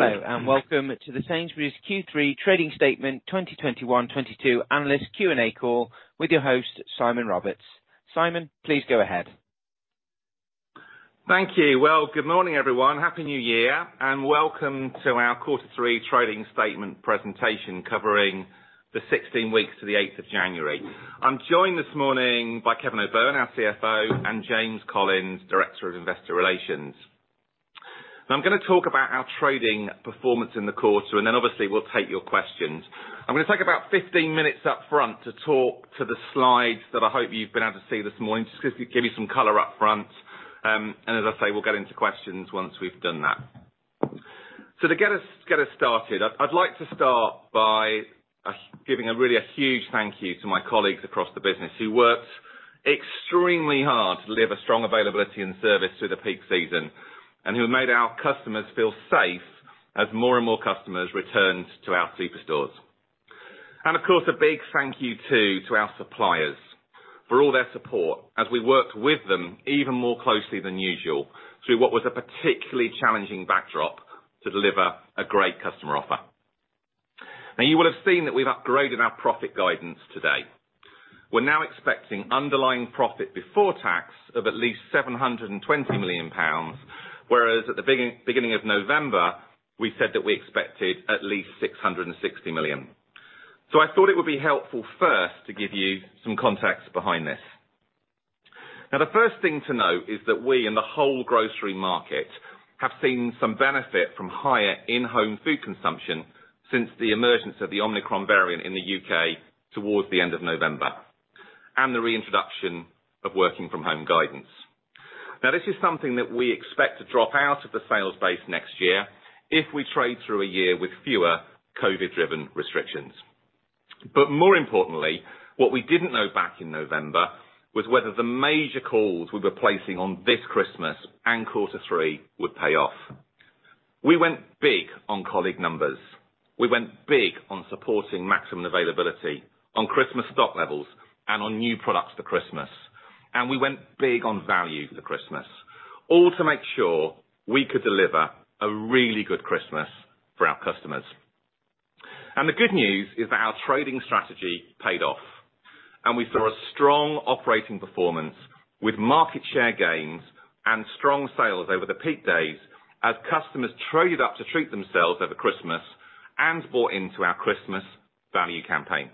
Hello, and welcome to the Sainsbury's Q3 trading statement 2021/2022 analyst Q&A call with your host, Simon Roberts. Simon, please go ahead. Thank you. Well, good morning, everyone. Happy New Year, and welcome to our quarter three trading statement presentation covering the 16 weeks to the eighth of January. I'm joined this morning by Kevin O'Byrne, our CFO, and James Collins, Director of Investor Relations. Now, I'm gonna talk about our trading performance in the quarter, and then obviously, we'll take your questions. I'm gonna take about 15 minutes up front to talk to the slides that I hope you've been able to see this morning, just to give you some color up front, and as I say, we'll get into questions once we've done that. To get us started, I'd like to start by giving a really huge thank you to my colleagues across the business who worked extremely hard to deliver strong availability and service through the peak season, and who have made our customers feel safe as more and more customers returned to our superstores. Of course, a big thank you too to our suppliers for all their support as we worked with them even more closely than usual through what was a particularly challenging backdrop to deliver a great customer offer. Now, you will have seen that we've upgraded our profit guidance today. We're now expecting underlying profit before tax of at least 720 million pounds, whereas at the beginning of November, we said that we expected at least 660 million. I thought it would be helpful first to give you some context behind this. Now, the first thing to note is that we in the whole grocery market have seen some benefit from higher in-home food consumption since the emergence of the Omicron variant in the U.K. towards the end of November, and the reintroduction of working from home guidance. Now, this is something that we expect to drop out of the sales base next year if we trade through a year with fewer COVID-driven restrictions. More importantly, what we didn't know back in November was whether the major calls we were placing on this Christmas and quarter three would pay off. We went big on colleague numbers. We went big on supporting maximum availability on Christmas stock levels and on new products for Christmas. We went big on value for Christmas, all to make sure we could deliver a really good Christmas for our customers. The good news is that our trading strategy paid off, and we saw a strong operating performance with market share gains and strong sales over the peak days as customers traded up to treat themselves over Christmas and bought into our Christmas value campaign.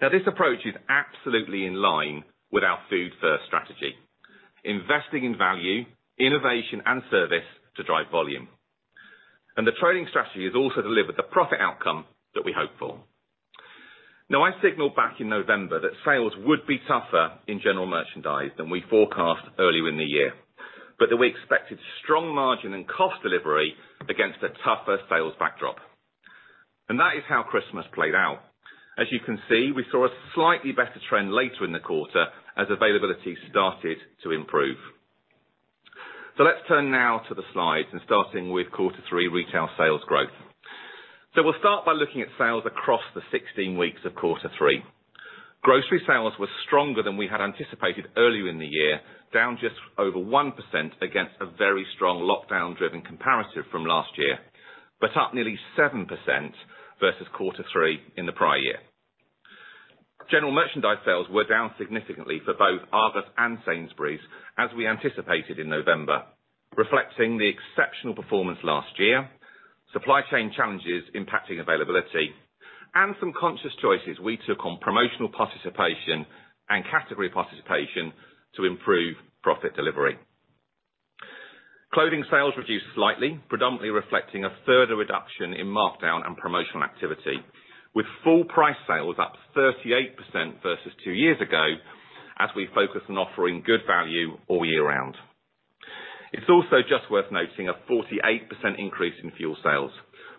Now, this approach is absolutely in line with our Food First strategy, investing in value, innovation, and service to drive volume. The trading strategy has also delivered the profit outcome that we hoped for. Now, I signaled back in November that sales would be tougher in general merchandise than we forecast earlier in the year, but that we expected strong margin and cost delivery against a tougher sales backdrop. That is how Christmas played out. As you can see, we saw a slightly better trend later in the quarter as availability started to improve. Let's turn now to the slides and starting with quarter three retail sales growth. We'll start by looking at sales across the 16 weeks of quarter three. Grocery sales were stronger than we had anticipated earlier in the year, down just over 1% against a very strong lockdown-driven comparative from last year, but up nearly 7% versus quarter three in the prior year. General merchandise sales were down significantly for both Argos and Sainsbury's, as we anticipated in November, reflecting the exceptional performance last year, supply chain challenges impacting availability, and some conscious choices we took on promotional participation and category participation to improve profit delivery. Clothing sales reduced slightly, predominantly reflecting a further reduction in markdown and promotional activity, with full price sales up 38% versus two years ago, as we focus on offering good value all year round. It's also just worth noting a 48% increase in fuel sales,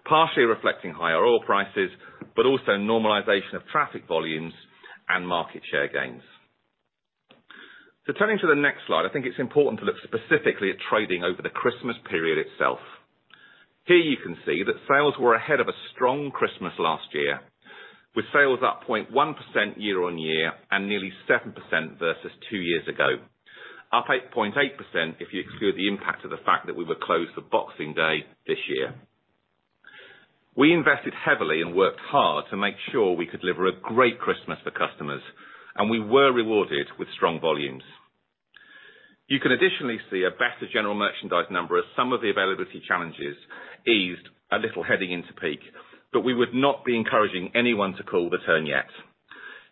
partially reflecting higher oil prices, but also normalization of traffic volumes and market share gains. Turning to the next slide, I think it's important to look specifically at trading over the Christmas period itself. Here you can see that sales were ahead of a strong Christmas last year, with sales up 0.1% year on year and nearly 7% versus two years ago. Up 8.8% if you exclude the impact of the fact that we were closed for Boxing Day this year. We invested heavily and worked hard to make sure we could deliver a great Christmas for customers, and we were rewarded with strong volumes. You can additionally see a better general merchandise number as some of the availability challenges eased a little heading into peak, but we would not be encouraging anyone to call the turn yet,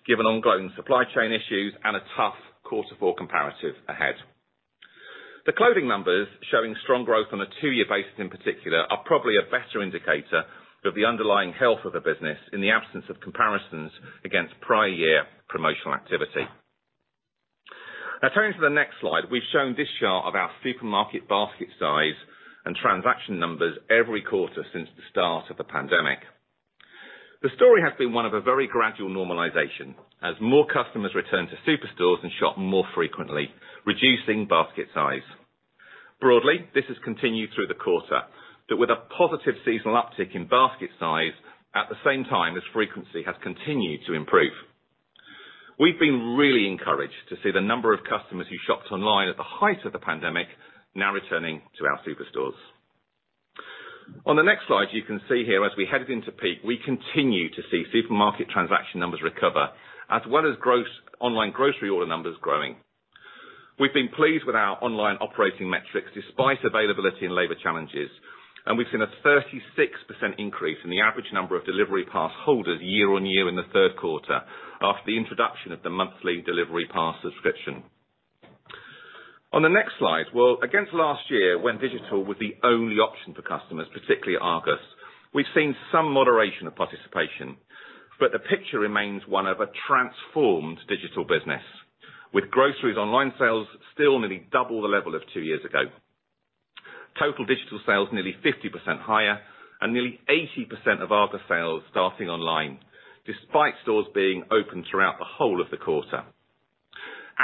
given ongoing supply chain issues and a tough quarter four comparative ahead. The clothing numbers showing strong growth on a 2-year basis in particular are probably a better indicator of the underlying health of the business in the absence of comparisons against prior year promotional activity. Now, turning to the next slide, we've shown this chart of our supermarket basket size and transaction numbers every quarter since the start of the pandemic. The story has been one of a very gradual normalization as more customers return to superstores and shop more frequently, reducing basket size. Broadly, this has continued through the quarter, but with a positive seasonal uptick in basket size at the same time as frequency has continued to improve. We've been really encouraged to see the number of customers who shopped online at the height of the pandemic now returning to our superstores. On the next slide, you can see here as we headed into peak, we continue to see supermarket transaction numbers recover, as well as gross online grocery order numbers growing. We've been pleased with our online operating metrics despite availability and labor challenges, and we've seen a 36% increase in the average number of Delivery Pass holders year-on-year in the third quarter after the introduction of the monthly Delivery Pass subscription. On the next slide, well, against last year, when digital was the only option for customers, particularly Argos, we've seen some moderation of participation, but the picture remains one of a transformed digital business, with groceries online sales still nearly double the level of two years ago. Total digital sales nearly 50% higher and nearly 80% of Argos sales starting online, despite stores being open throughout the whole of the quarter.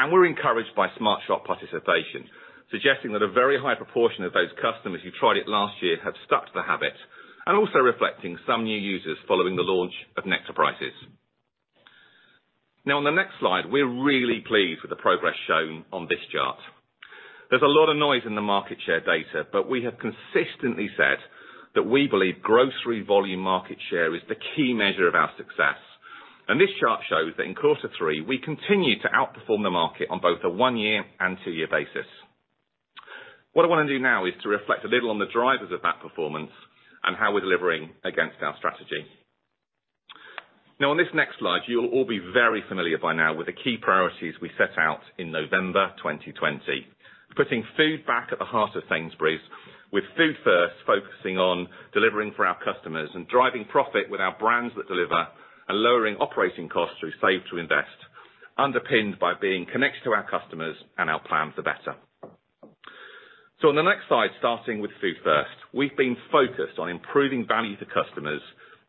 We're encouraged by SmartShop participation, suggesting that a very high proportion of those customers who tried it last year have stuck to the habit and also reflecting some new users following the launch of Nectar Prices. Now, on the next slide, we're really pleased with the progress shown on this chart. There's a lot of noise in the market share data, but we have consistently said that we believe grocery volume market share is the key measure of our success. This chart shows that in quarter three, we continue to outperform the market on both a one-year and two-year basis. What I want to do now is to reflect a little on the drivers of that performance and how we're delivering against our strategy. Now, on this next slide, you'll all be very familiar by now with the key priorities we set out in November 2020. Putting food back at the heart of Sainsbury's with Food First focusing on delivering for our customers and driving profit with our Brands that Deliver and lowering operating costs through Save to Invest, underpinned by being connected to our customers and our Plan for Better. In the next slide, starting with Food First, we've been focused on improving value to customers,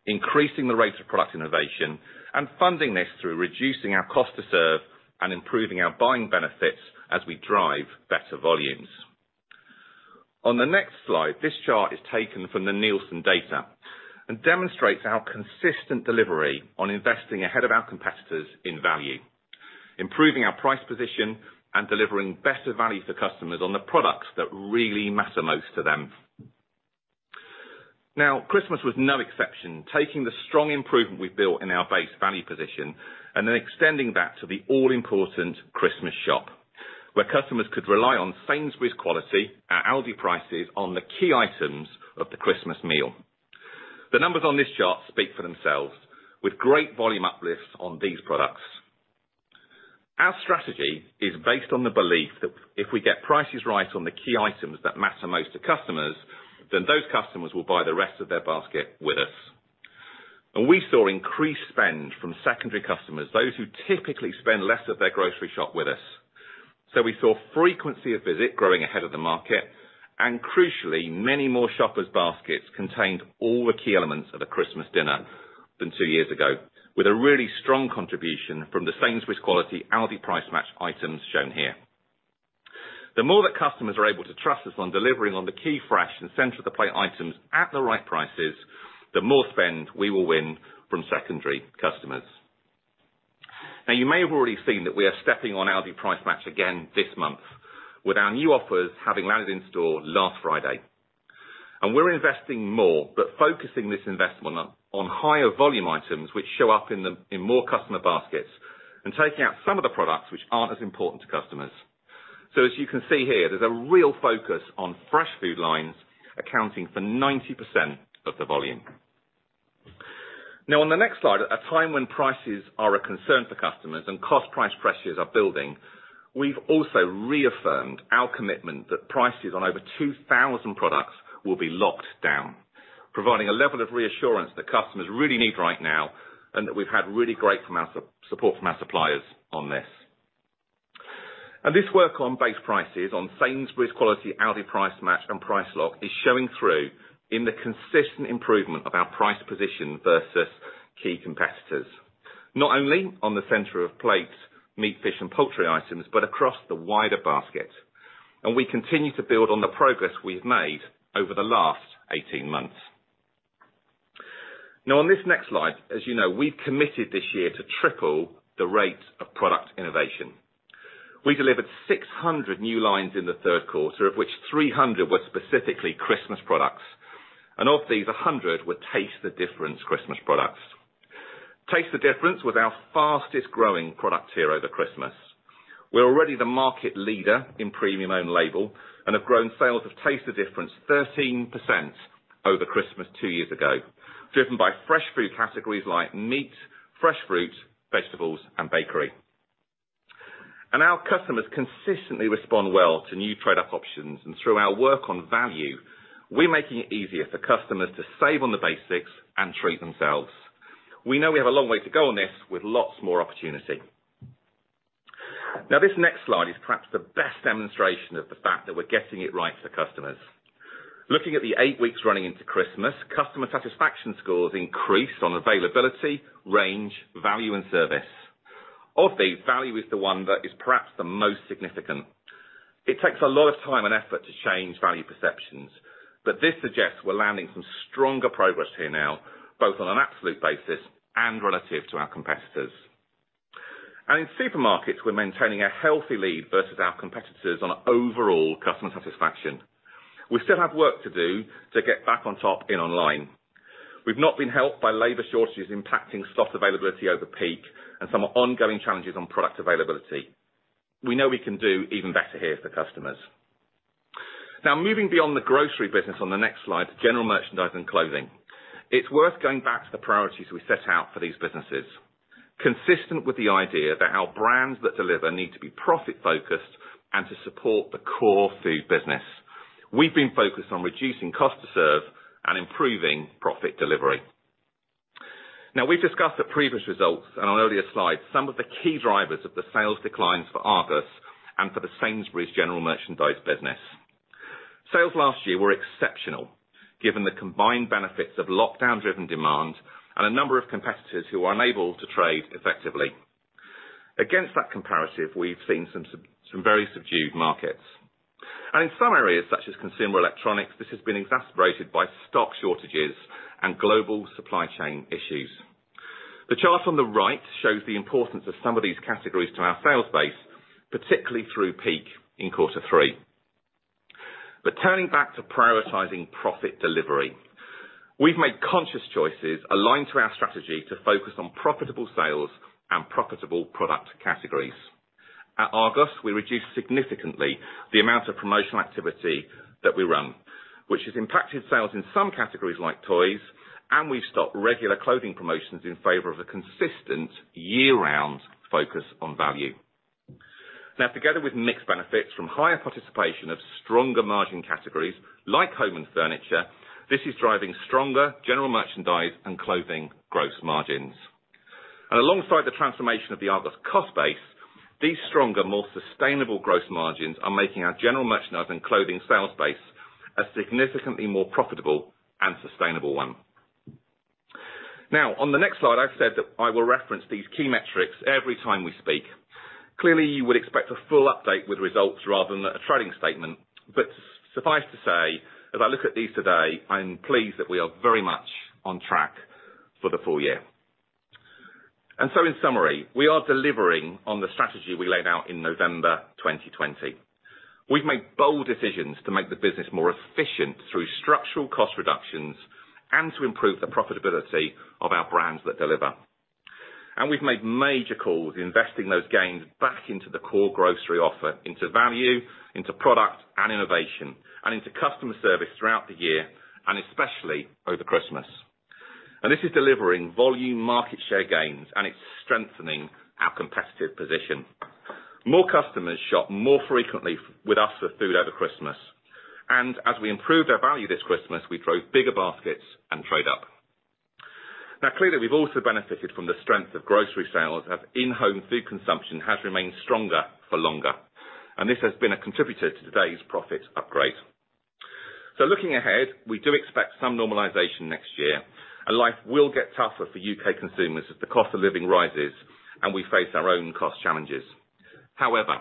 increasing the rate of product innovation and funding this through reducing our cost to serve and improving our buying benefits as we drive better volumes. On the next slide, this chart is taken from the Nielsen data and demonstrates our consistent delivery on investing ahead of our competitors in value, improving our price position, and delivering better value to customers on the products that really matter most to them. Now, Christmas was no exception. Taking the strong improvement we've built in our base value position and then extending that to the all-important Christmas shop, where customers could rely on Sainsbury's quality at Aldi prices on the key items of the Christmas meal. The numbers on this chart speak for themselves with great volume uplifts on these products. Our strategy is based on the belief that if we get prices right on the key items that matter most to customers, then those customers will buy the rest of their basket with us. We saw increased spend from secondary customers, those who typically spend less of their grocery shop with us. We saw frequency of visit growing ahead of the market, and crucially, many more shoppers' baskets contained all the key elements of a Christmas dinner than two years ago, with a really strong contribution from the Sainsbury's Quality, Aldi Price Match items shown here. The more that customers are able to trust us on delivering on the key fresh and center of the plate items at the right prices, the more spend we will win from secondary customers. You may have already seen that we are stepping on Aldi Price Match again this month with our new offers having landed in store last Friday. We're investing more, but focusing this investment on higher volume items which show up in more customer baskets and taking out some of the products which aren't as important to customers. As you can see here, there's a real focus on fresh food lines, accounting for 90% of the volume. On the next slide, at a time when prices are a concern for customers and cost price pressures are building, we've also reaffirmed our commitment that prices on over 2,000 products will be locked down, providing a level of reassurance that customers really need right now, and that we've had really great support from our suppliers on this. This work on base prices, on Sainsbury's Quality, Aldi Price Match and Price Lock is showing through in the consistent improvement of our price position versus key competitors, not only on the center of plate, meat, fish, and poultry items, but across the wider basket. We continue to build on the progress we've made over the last 18 months. Now on this next slide, as you know, we've committed this year to triple the rate of product innovation. We delivered 600 new lines in the third quarter, of which 300 were specifically Christmas products, and of these, 100 were Taste the Difference Christmas products. Taste the Difference was our fastest-growing product here over Christmas. We're already the market leader in premium own-label and have grown sales of Taste the Difference 13% over Christmas two years ago, driven by fresh food categories like meat, fresh fruits, vegetables, and bakery. Our customers consistently respond well to new trade-up options, and through our work on value, we're making it easier for customers to save on the basics and treat themselves. We know we have a long way to go on this with lots more opportunity. Now, this next slide is perhaps the best demonstration of the fact that we're getting it right for customers. Looking at the eight weeks running into Christmas, customer satisfaction scores increased on availability, range, value, and service. Of these, value is the one that is perhaps the most significant. It takes a lot of time and effort to change value perceptions, but this suggests we're landing some stronger progress here now, both on an absolute basis and relative to our competitors. In supermarkets, we're maintaining a healthy lead versus our competitors on overall customer satisfaction. We still have work to do to get back on top in online. We've not been helped by labor shortages impacting stock availability over peak and some ongoing challenges on product availability. We know we can do even better here for customers. Now, moving beyond the grocery business on the next slide, general merchandise and clothing. It's worth going back to the priorities we set out for these businesses. Consistent with the idea that our Brands that Deliver need to be profit-focused and to support the core food business. We've been focused on reducing cost to serve and improving profit delivery. Now, we've discussed the previous results and on earlier slides, some of the key drivers of the sales declines for Argos and for the Sainsbury's general merchandise business. Sales last year were exceptional, given the combined benefits of lockdown-driven demand and a number of competitors who are unable to trade effectively. Against that comparative, we've seen some very subdued markets. In some areas, such as consumer electronics, this has been exacerbated by stock shortages and global supply chain issues. The chart on the right shows the importance of some of these categories to our sales base, particularly through peak in quarter three. Turning back to prioritizing profit delivery, we've made conscious choices aligned to our strategy to focus on profitable sales and profitable product categories. At Argos, we reduced significantly the amount of promotional activity that we run, which has impacted sales in some categories like toys, and we've stopped regular clothing promotions in favor of a consistent year-round focus on value. Now, together with mixed benefits from higher participation of stronger margin categories like home and furniture, this is driving stronger general merchandise and clothing gross margins. Alongside the transformation of the Argos cost base, these stronger, more sustainable gross margins are making our general merchandise and clothing sales base a significantly more profitable and sustainable one. Now, on the next slide, I've said that I will reference these key metrics every time we speak. Clearly, you would expect a full update with results rather than a trading statement. Suffice to say, as I look at these today, I am pleased that we are very much on track for the full year. In summary, we are delivering on the strategy we laid out in November 2020. We've made bold decisions to make the business more efficient through structural cost reductions and to improve the profitability of our Brands that Deliver. We've made major calls investing those gains back into the core grocery offer, into value, into product and innovation, and into customer service throughout the year, and especially over Christmas. This is delivering volume market share gains, and it's strengthening our competitive position. More customers shop more frequently with us for food over Christmas. As we improved our value this Christmas, we drove bigger baskets and trade up. Now, clearly, we've also benefited from the strength of grocery sales as in-home food consumption has remained stronger for longer, and this has been a contributor to today's profit upgrade. Looking ahead, we do expect some normalization next year, and life will get tougher for U.K. consumers as the cost of living rises and we face our own cost challenges. However,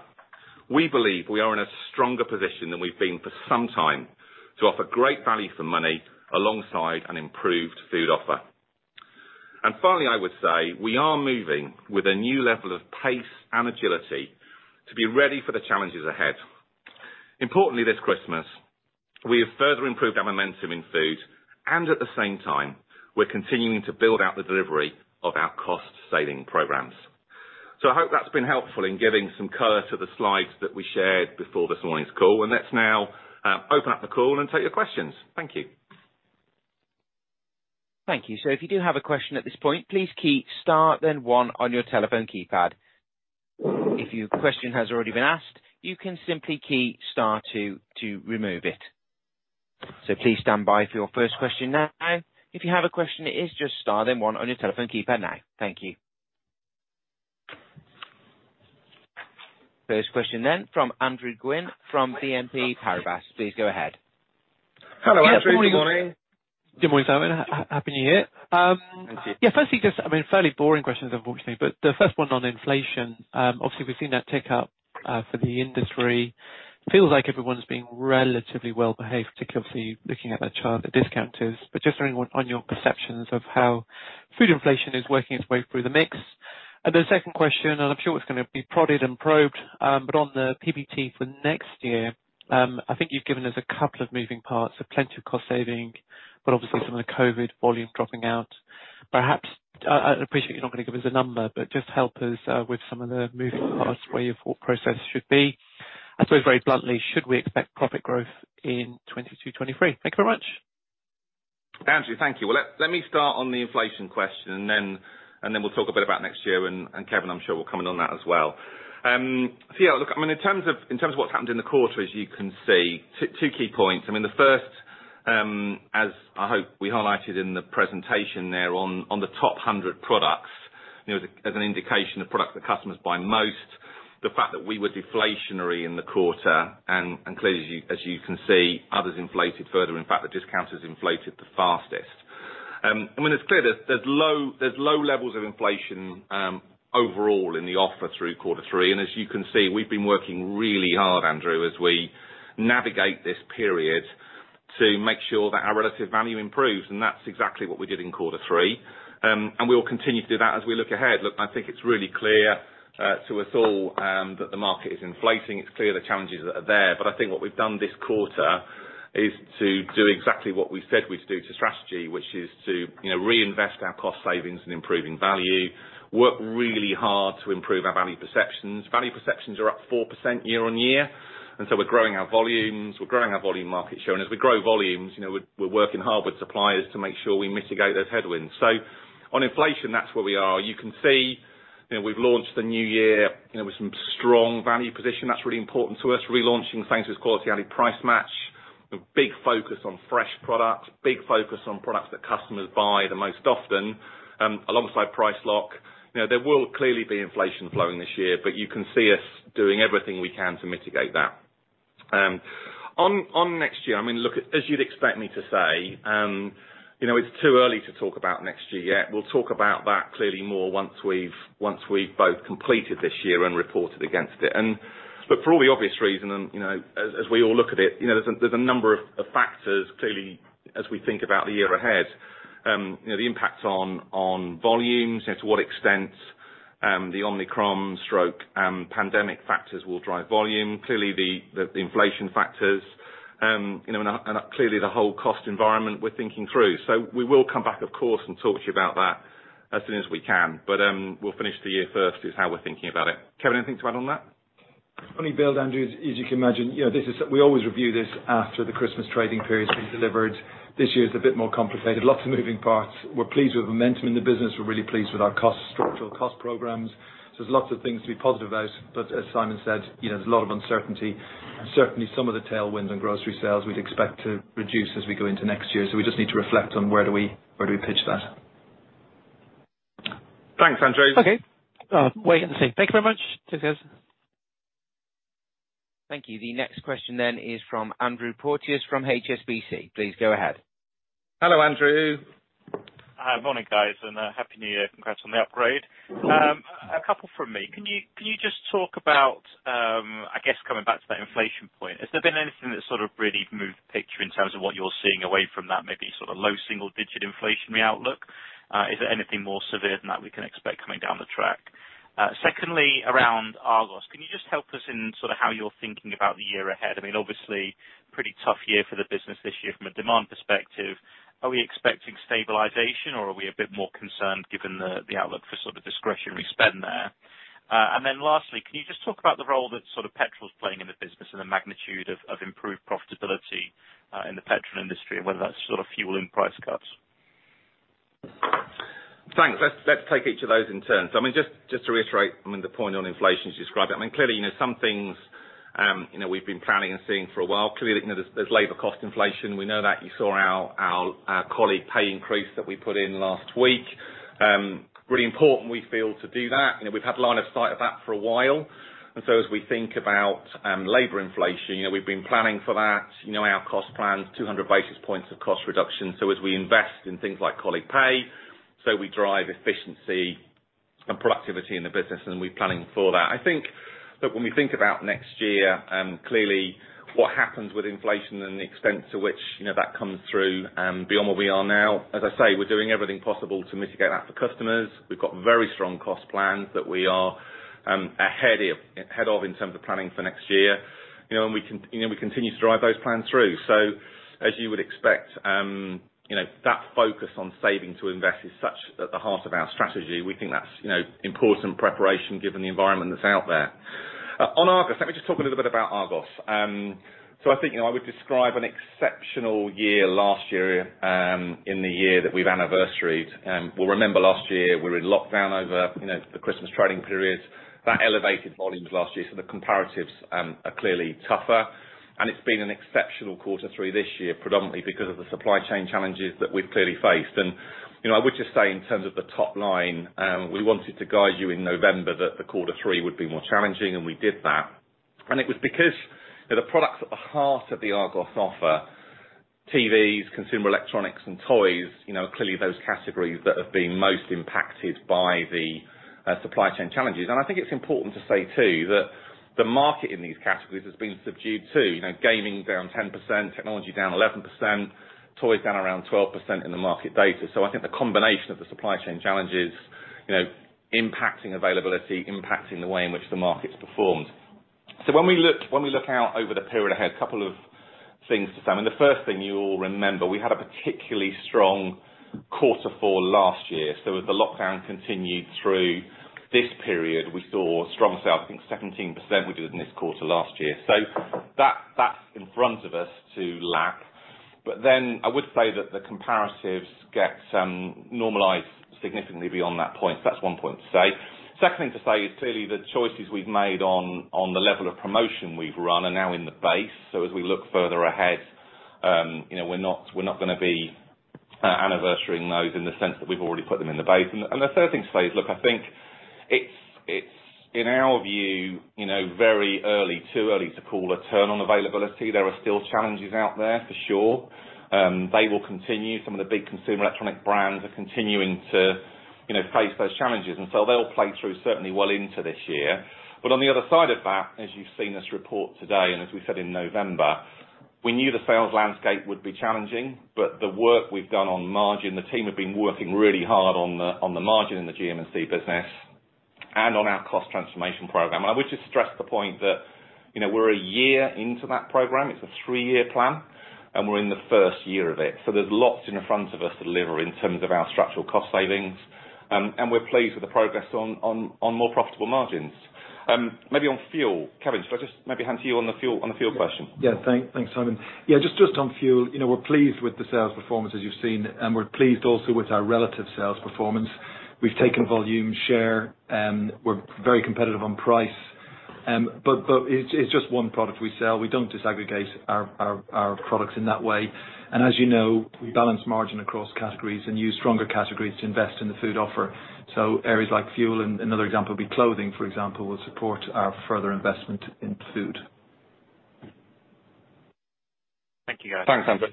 we believe we are in a stronger position than we've been for some time to offer great value for money alongside an improved food offer. Finally, I would say we are moving with a new level of pace and agility to be ready for the challenges ahead. Importantly, this Christmas, we have further improved our momentum in food, and at the same time, we're continuing to build out the delivery of our cost-saving programs. I hope that's been helpful in giving some color to the slides that we shared before this morning's call. Let's now open up the call and take your questions. Thank you. Thank you sir. If you do have a question at this point please click star then one on your telephone keypad. If your question has already been asked, you can simple click star two to remove it. So please stand by for your first question. Now if you have a question, it's just star one on your telephone keypad, thank you. First question from Andrew Gwynn from BNP Paribas. Please go ahead. Hello, Andrew. Good morning. Good morning, Simon. Happy New Year. Yeah, firstly, just, I mean, fairly boring questions, unfortunately, but the first one on inflation, obviously we've seen that tick up, for the industry. Feels like everyone's being relatively well-behaved, particularly looking at that chart, the discounters, but just wondering what are your perceptions of how food inflation is working its way through the mix. The second question, and I'm sure it's gonna be prodded and probed, but on the PBT for next year, I think you've given us a couple of moving parts, so plenty of cost saving, but obviously some of the COVID volume dropping out. Perhaps, I'd appreciate you're not gonna give us a number, but just help us, with some of the moving parts, where your thought process should be. I suppose very bluntly, should we expect profit growth in 2022, 2023? Thank you very much. Andrew, thank you. Well, let me start on the inflation question, and then we'll talk a bit about next year and Kevin, I'm sure will comment on that as well. Yeah, look, I mean, in terms of what's happened in the quarter, as you can see, two key points. I mean, the first, as I hope we highlighted in the presentation there on the top 100 products, you know, as an indication of products that customers buy most, the fact that we were deflationary in the quarter, and clearly as you can see, others inflated further. In fact, the discounters inflated the fastest. I mean, it's clear there's low levels of inflation overall in the offer through quarter three. As you can see, we've been working really hard, Andrew, as we navigate this period to make sure that our relative value improves, and that's exactly what we did in quarter three. We will continue to do that as we look ahead. Look, I think it's really clear to us all that the market is inflating. It's clear the challenges that are there. I think what we've done this quarter is to do exactly what we said we'd do to strategy, which is to, you know, reinvest our cost savings in improving value, work really hard to improve our value perceptions. Value perceptions are up 4% year-on-year. We're growing our volumes, we're growing our volume market share. As we grow volumes, you know, we're working hard with suppliers to make sure we mitigate those headwinds. On inflation, that's where we are. You can see, you know, we've launched the new year, you know, with some strong value position. That's really important to us. Relaunching things with Quality, Aldi Price Match, a big focus on fresh product, big focus on products that customers buy the most often, alongside Price Lock. You know, there will clearly be inflation flowing this year, but you can see us doing everything we can to mitigate that. On next year, I mean, look, as you'd expect me to say, you know, it's too early to talk about next year yet. We'll talk about that clearly more once we've both completed this year and reported against it. But for all the obvious reasons, you know, as we all look at it, you know, there's a number of factors, clearly, as we think about the year ahead, the impacts on volumes, you know, to what extent the Omicron, the pandemic factors will drive volume. Clearly the inflation factors, you know, and clearly the whole cost environment we're thinking through. We will come back of course and talk to you about that as soon as we can. We'll finish the year first is how we're thinking about it. Kevin, anything to add on that? Only build, Andrew, as you can imagine, you know, this is. We always review this after the Christmas trading period we delivered. This year it's a bit more complicated. Lots of moving parts. We're pleased with the momentum in the business. We're really pleased with our cost, structural cost programs. There's lots of things to be positive about. As Simon said, you know, there's a lot of uncertainty. Certainly some of the tailwinds in grocery sales we'd expect to reduce as we go into next year. We just need to reflect on where do we pitch that? Thanks, Andrew. Okay. Wait and see. Thank you very much. Cheers guys. Thank you. The next question then is from Andrew Porteous from HSBC. Please go ahead. Hello, Andrew. Morning guys, and happy new year. Congrats on the upgrade. A couple from me. Can you just talk about, I guess coming back to that inflation point, has there been anything that's sort of really moved the picture in terms of what you're seeing away from that maybe sort of low single digit inflationary outlook? Is there anything more severe than that we can expect coming down the track? Secondly, around Argos, can you just help us in sort of how you're thinking about the year ahead? I mean, obviously pretty tough year for the business this year from a demand perspective. Are we expecting stabilization or are we a bit more concerned given the outlook for sort of discretionary spend there? Lastly, can you just talk about the role that sort of petrol is playing in the business and the magnitude of improved profitability in the petrol industry, and whether that's sort of fueling price cuts? Thanks. Let's take each of those in turn. I mean, just to reiterate, I mean, the point on inflation as you described, I mean, clearly, you know, some things, you know, we've been planning and seeing for a while, clearly, you know, there's labor cost inflation, we know that. You saw our colleague pay increase that we put in last week. Really important we feel to do that. You know, we've had line of sight of that for a while. As we think about labor inflation, you know, we've been planning for that, you know, our cost plans, 200 basis points of cost reduction. As we invest in things like colleague pay, so we drive efficiency and productivity in the business and we're planning for that. I think that when we think about next year, clearly what happens with inflation and the extent to which, you know, that comes through, beyond where we are now, as I say, we're doing everything possible to mitigate that for customers. We've got very strong cost plans that we are ahead of in terms of planning for next year. You know, we continue to drive those plans through. As you would expect, you know, that focus on Save to Invest is so at the heart of our strategy. We think that's, you know, important preparation given the environment that's out there. On Argos, let me just talk a little bit about Argos. I think, you know, I would describe an exceptional year last year, in the year that we've anniversaried. We'll remember last year, we were in lockdown over, you know, the Christmas trading periods. That elevated volumes last year, so the comparatives are clearly tougher. It's been an exceptional quarter three this year, predominantly because of the supply chain challenges that we've clearly faced. You know, I would just say in terms of the top line, we wanted to guide you in November that the quarter three would be more challenging, and we did that. It was because the products at the heart of the Argos offer, TVs, consumer electronics, and toys, you know, are clearly those categories that have been most impacted by the supply chain challenges. I think it's important to say too that the market in these categories has been subdued too. You know, gaming down 10%, technology down 11%, toys down around 12% in the market data. I think the combination of the supply chain challenges, you know, impacting availability, impacting the way in which the market's performed. When we look out over the period ahead, a couple of things to say, I mean, the first thing you all remember, we had a particularly strong quarter four last year. As the lockdown continued through this period, we saw strong sales, I think 17% we did in this quarter last year. That, that's in front of us to lap. Then I would say that the comparatives get normalized significantly beyond that point. That's one point to say. Second thing to say is clearly the choices we've made on the level of promotion we've run are now in the base. As we look further ahead, you know, we're not gonna be anniversarying those in the sense that we've already put them in the base. The third thing to say is, look, I think it's in our view you know very early, too early to call a turn on availability. There are still challenges out there, for sure. They will continue. Some of the big consumer electronic brands are continuing to, you know, face those challenges. So they'll play through certainly well into this year. On the other side of that, as you've seen us report today and as we said in November, we knew the sales landscape would be challenging, but the work we've done on margin, the team have been working really hard on the margin in the GM&C business and on our cost transformation program. I would just stress the point that, you know, we're a year into that program. It's a three-year plan, and we're in the first year of it. There's lots in front of us to deliver in terms of our structural cost savings, and we're pleased with the progress on more profitable margins. Maybe on fuel. Kevin, should I just maybe hand to you on the fuel question? Yeah. Thanks, Simon. Yeah, just on fuel. You know, we're pleased with the sales performance as you've seen, and we're pleased also with our relative sales performance. We've taken volume share, we're very competitive on price. It's just one product we sell. We don't disaggregate our products in that way. As you know, we balance margin across categories and use stronger categories to invest in the food offer. Areas like fuel, and another example would be clothing, for example, will support our further investment in food. Thank you, guys. Thanks, Andrew.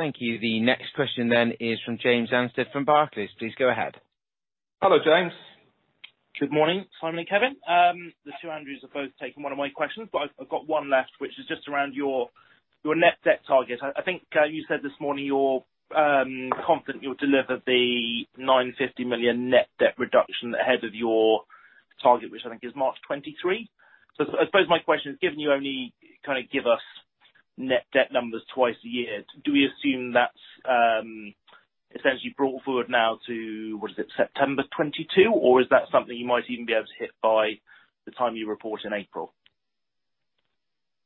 Thank you. The next question is from James Anstead from Barclays. Please go ahead. Hello, James. Good morning, Simon and Kevin. The two Andrews have both taken one of my questions, but I've got one left, which is just around your net debt target. I think you said this morning you're confident you'll deliver the 950 million net debt reduction ahead of your target, which I think is March 2023. I suppose my question is, given you only kinda give us net debt numbers twice a year, do we assume that's essentially brought forward now to, what is it, September 2022? Or is that something you might even be able to hit by the time you report in April?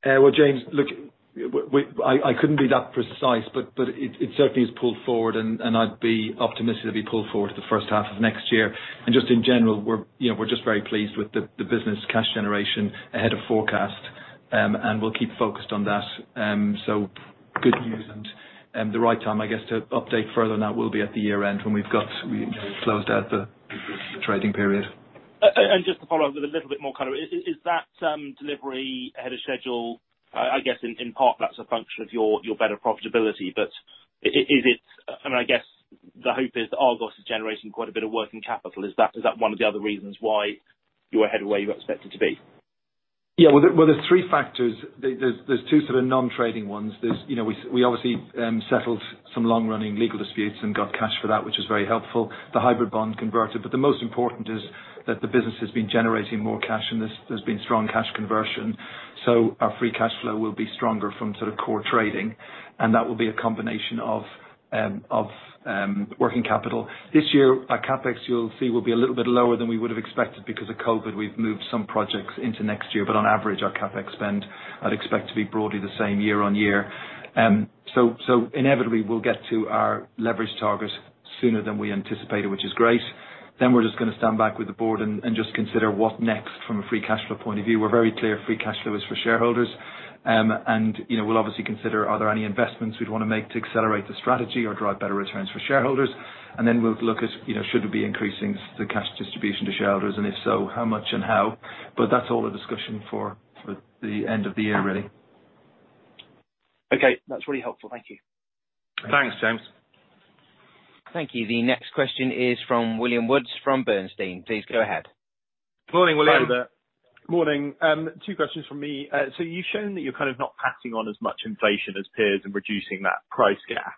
Well, James, look, we couldn't be that precise, but it certainly is pulled forward and I'd be optimistic it'd be pulled forward to the first half of next year. Just in general, we're, you know, just very pleased with the business cash generation ahead of forecast. We'll keep focused on that. Good news, and the right time, I guess, to update further on that will be at the year end when we've closed out the trading period. Just to follow up with a little bit more color, is that delivery ahead of schedule? I guess in part that's a function of your better profitability, but is it? I mean, I guess the hope is that Argos is generating quite a bit of working capital. Is that one of the other reasons why you're ahead of where you're expected to be? Well, there are three factors. There are two sort of non-trading ones. There is, you know, we obviously settled some long-running legal disputes and got cash for that, which was very helpful. The hybrid bond converted. The most important is that the business has been generating more cash, and there has been strong cash conversion. Our free cash flow will be stronger from sort of core trading, and that will be a combination of working capital. This year, our CapEx, you'll see, will be a little bit lower than we would've expected because of COVID. We've moved some projects into next year. On average, our CapEx spend I'd expect to be broadly the same year on year. Inevitably we'll get to our leverage target sooner than we anticipated, which is great. We're just gonna stand back with the board and just consider what next from a free cash flow point of view. We're very clear free cash flow is for shareholders. You know, we'll obviously consider are there any investments we'd wanna make to accelerate the strategy or drive better returns for shareholders. We'll look at, you know, should we be increasing the cash distribution to shareholders and if so, how much and how. That's all a discussion for the end of the year really. Okay. That's really helpful. Thank you. Thanks, James. Thank you. The next question is from William Woods from Bernstein. Please go ahead. Morning, William. Hi, there. Morning. Two questions from me. You've shown that you're kind of not passing on as much inflation as peers and reducing that price gap.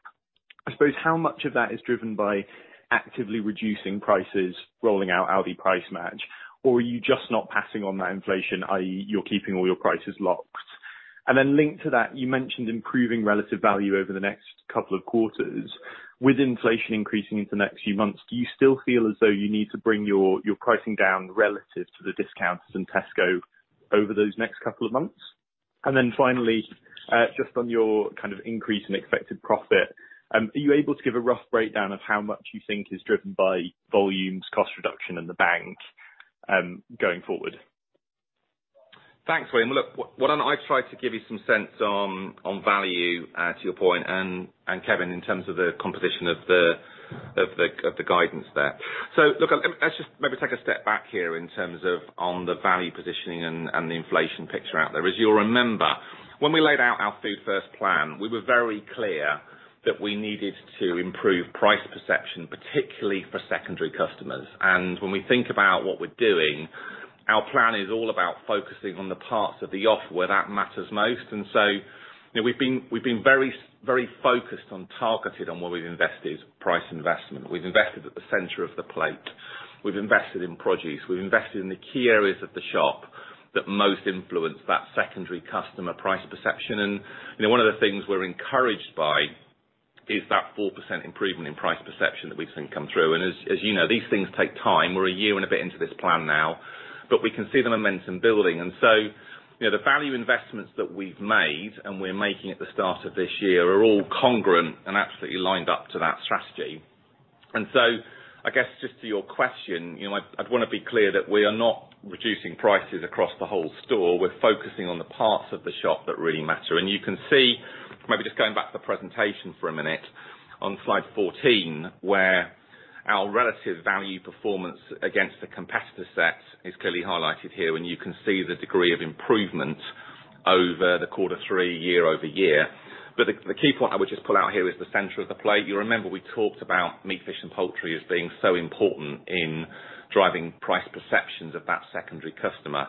I suppose how much of that is driven by actively reducing prices, rolling out Aldi Price Match? Or are you just not passing on that inflation, i.e. you're keeping all your prices locked? Linked to that, you mentioned improving relative value over the next couple of quarters. With inflation increasing into the next few months, do you still feel as though you need to bring your pricing down relative to the discounts in Tesco over those next couple of months? Finally, just on your kind of increase in expected profit, are you able to give a rough breakdown of how much you think is driven by volumes, cost reduction, and the bank, going forward? Thanks, William. Look, why don't I try to give you some sense on value to your point, and Kevin in terms of the composition of the guidance there. Look, let's just maybe take a step back here in terms of on the value positioning and the inflation picture out there. As you'll remember, when we laid out our Food First plan, we were very clear that we needed to improve price perception, particularly for secondary customers. When we think about what we're doing, our plan is all about focusing on the parts of the offer where that matters most. You know, we've been very focused on targeted on where we've invested price investment. We've invested at the center of the plate. We've invested in produce. We've invested in the key areas of the shop that most influence that secondary customer price perception. You know, one of the things we're encouraged by is that 4% improvement in price perception that we've seen come through. As you know, these things take time. We're a year and a bit into this plan now, but we can see the momentum building. You know, the value investments that we've made and we're making at the start of this year are all congruent and absolutely lined up to that strategy. I guess just to your question, you know, I'd wanna be clear that we are not reducing prices across the whole store. We're focusing on the parts of the shop that really matter. You can see. Maybe just going back to the presentation for a minute, on slide 14, where our relative value performance against the competitor set is clearly highlighted here, and you can see the degree of improvement over Q3 year-over-year. The key point I would just pull out here is the center of the plate. You remember we talked about meat, fish, and poultry as being so important in driving price perceptions of that secondary customer.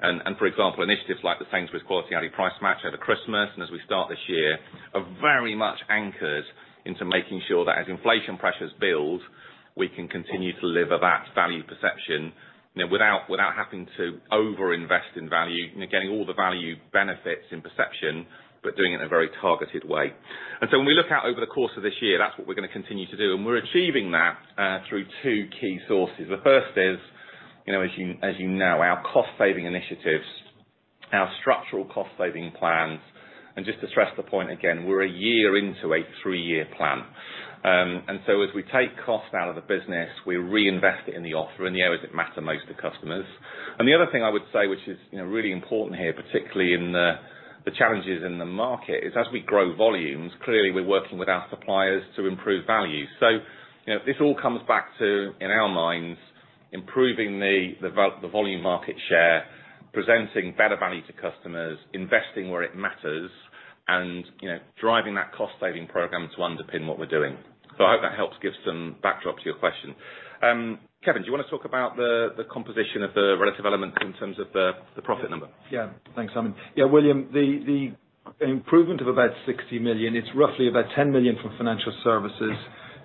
For example, initiatives like the Sainsbury's Quality, Aldi Price Match over Christmas and as we start this year are very much anchored into making sure that as inflation pressures build, we can continue to deliver that value perception, you know, without having to overinvest in value. You know, getting all the value benefits in perception, but doing it in a very targeted way. When we look out over the course of this year, that's what we're gonna continue to do. We're achieving that through two key sources. The first is, as you know, our cost-saving initiatives, our structural cost-saving plans. Just to stress the point again, we're a year into a three-year plan. As we take cost out of the business, we reinvest it in the offer in the areas that matter most to customers. The other thing I would say, which is really important here, particularly in the challenges in the market, is as we grow volumes, clearly we're working with our suppliers to improve value. You know, this all comes back to, in our minds, improving the volume market share, presenting better value to customers, investing where it matters, and, you know, driving that cost saving program to underpin what we're doing. I hope that helps give some backdrop to your question. Kevin, do you wanna talk about the composition of the relative elements in terms of the profit number? Thanks, Simon. William, the improvement of about 60 million, it's roughly about 10 million from financial services,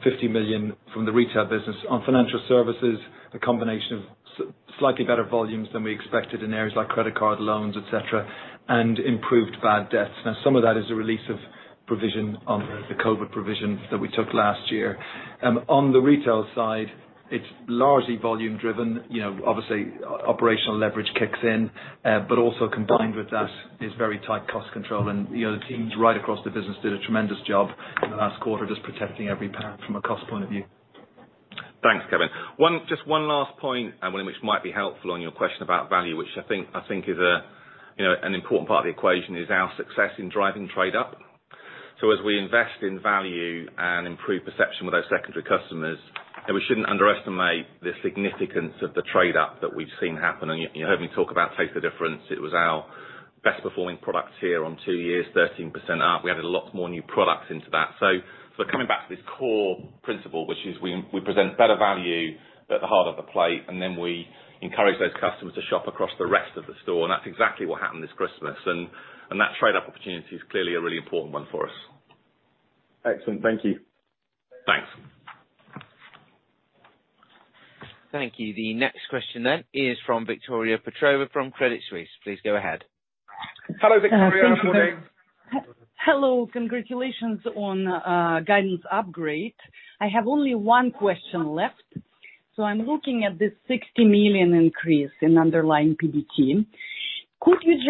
50 million from the retail business. On financial services, a combination of slightly better volumes than we expected in areas like credit card, loans, et cetera, and improved bad debts. Now, some of that is a release of provision on the COVID provision that we took last year. On the retail side, it's largely volume driven, you know, obviously operational leverage kicks in, but also combined with that is very tight cost control. You know, the teams right across the business did a tremendous job in the last quarter, just protecting every pound from a cost point of view. Thanks, Kevin. One last point, one which might be helpful on your question about value, which I think is a, you know, an important part of the equation, is our success in driving trade up. As we invest in value and improve perception with those secondary customers, and we shouldn't underestimate the significance of the trade up that we've seen happen. You heard me talk about Taste the Difference. It was our best performing product in two years, 13% up. We added a lot more new products into that. Coming back to this core principle, which is we present better value at the heart of the plate, and then we encourage those customers to shop across the rest of the store, and that's exactly what happened this Christmas. That trade up opportunity is clearly a really important one for us. Excellent. Thank you. Thanks. Thank you. The next question is from Victoria Petrova from Credit Suisse. Please go ahead. Hello, Victoria. Good morning. Thank you. Hello. Congratulations on guidance upgrade. I have only one question left. I'm looking at this 60 million increase in underlying PBT. Obviously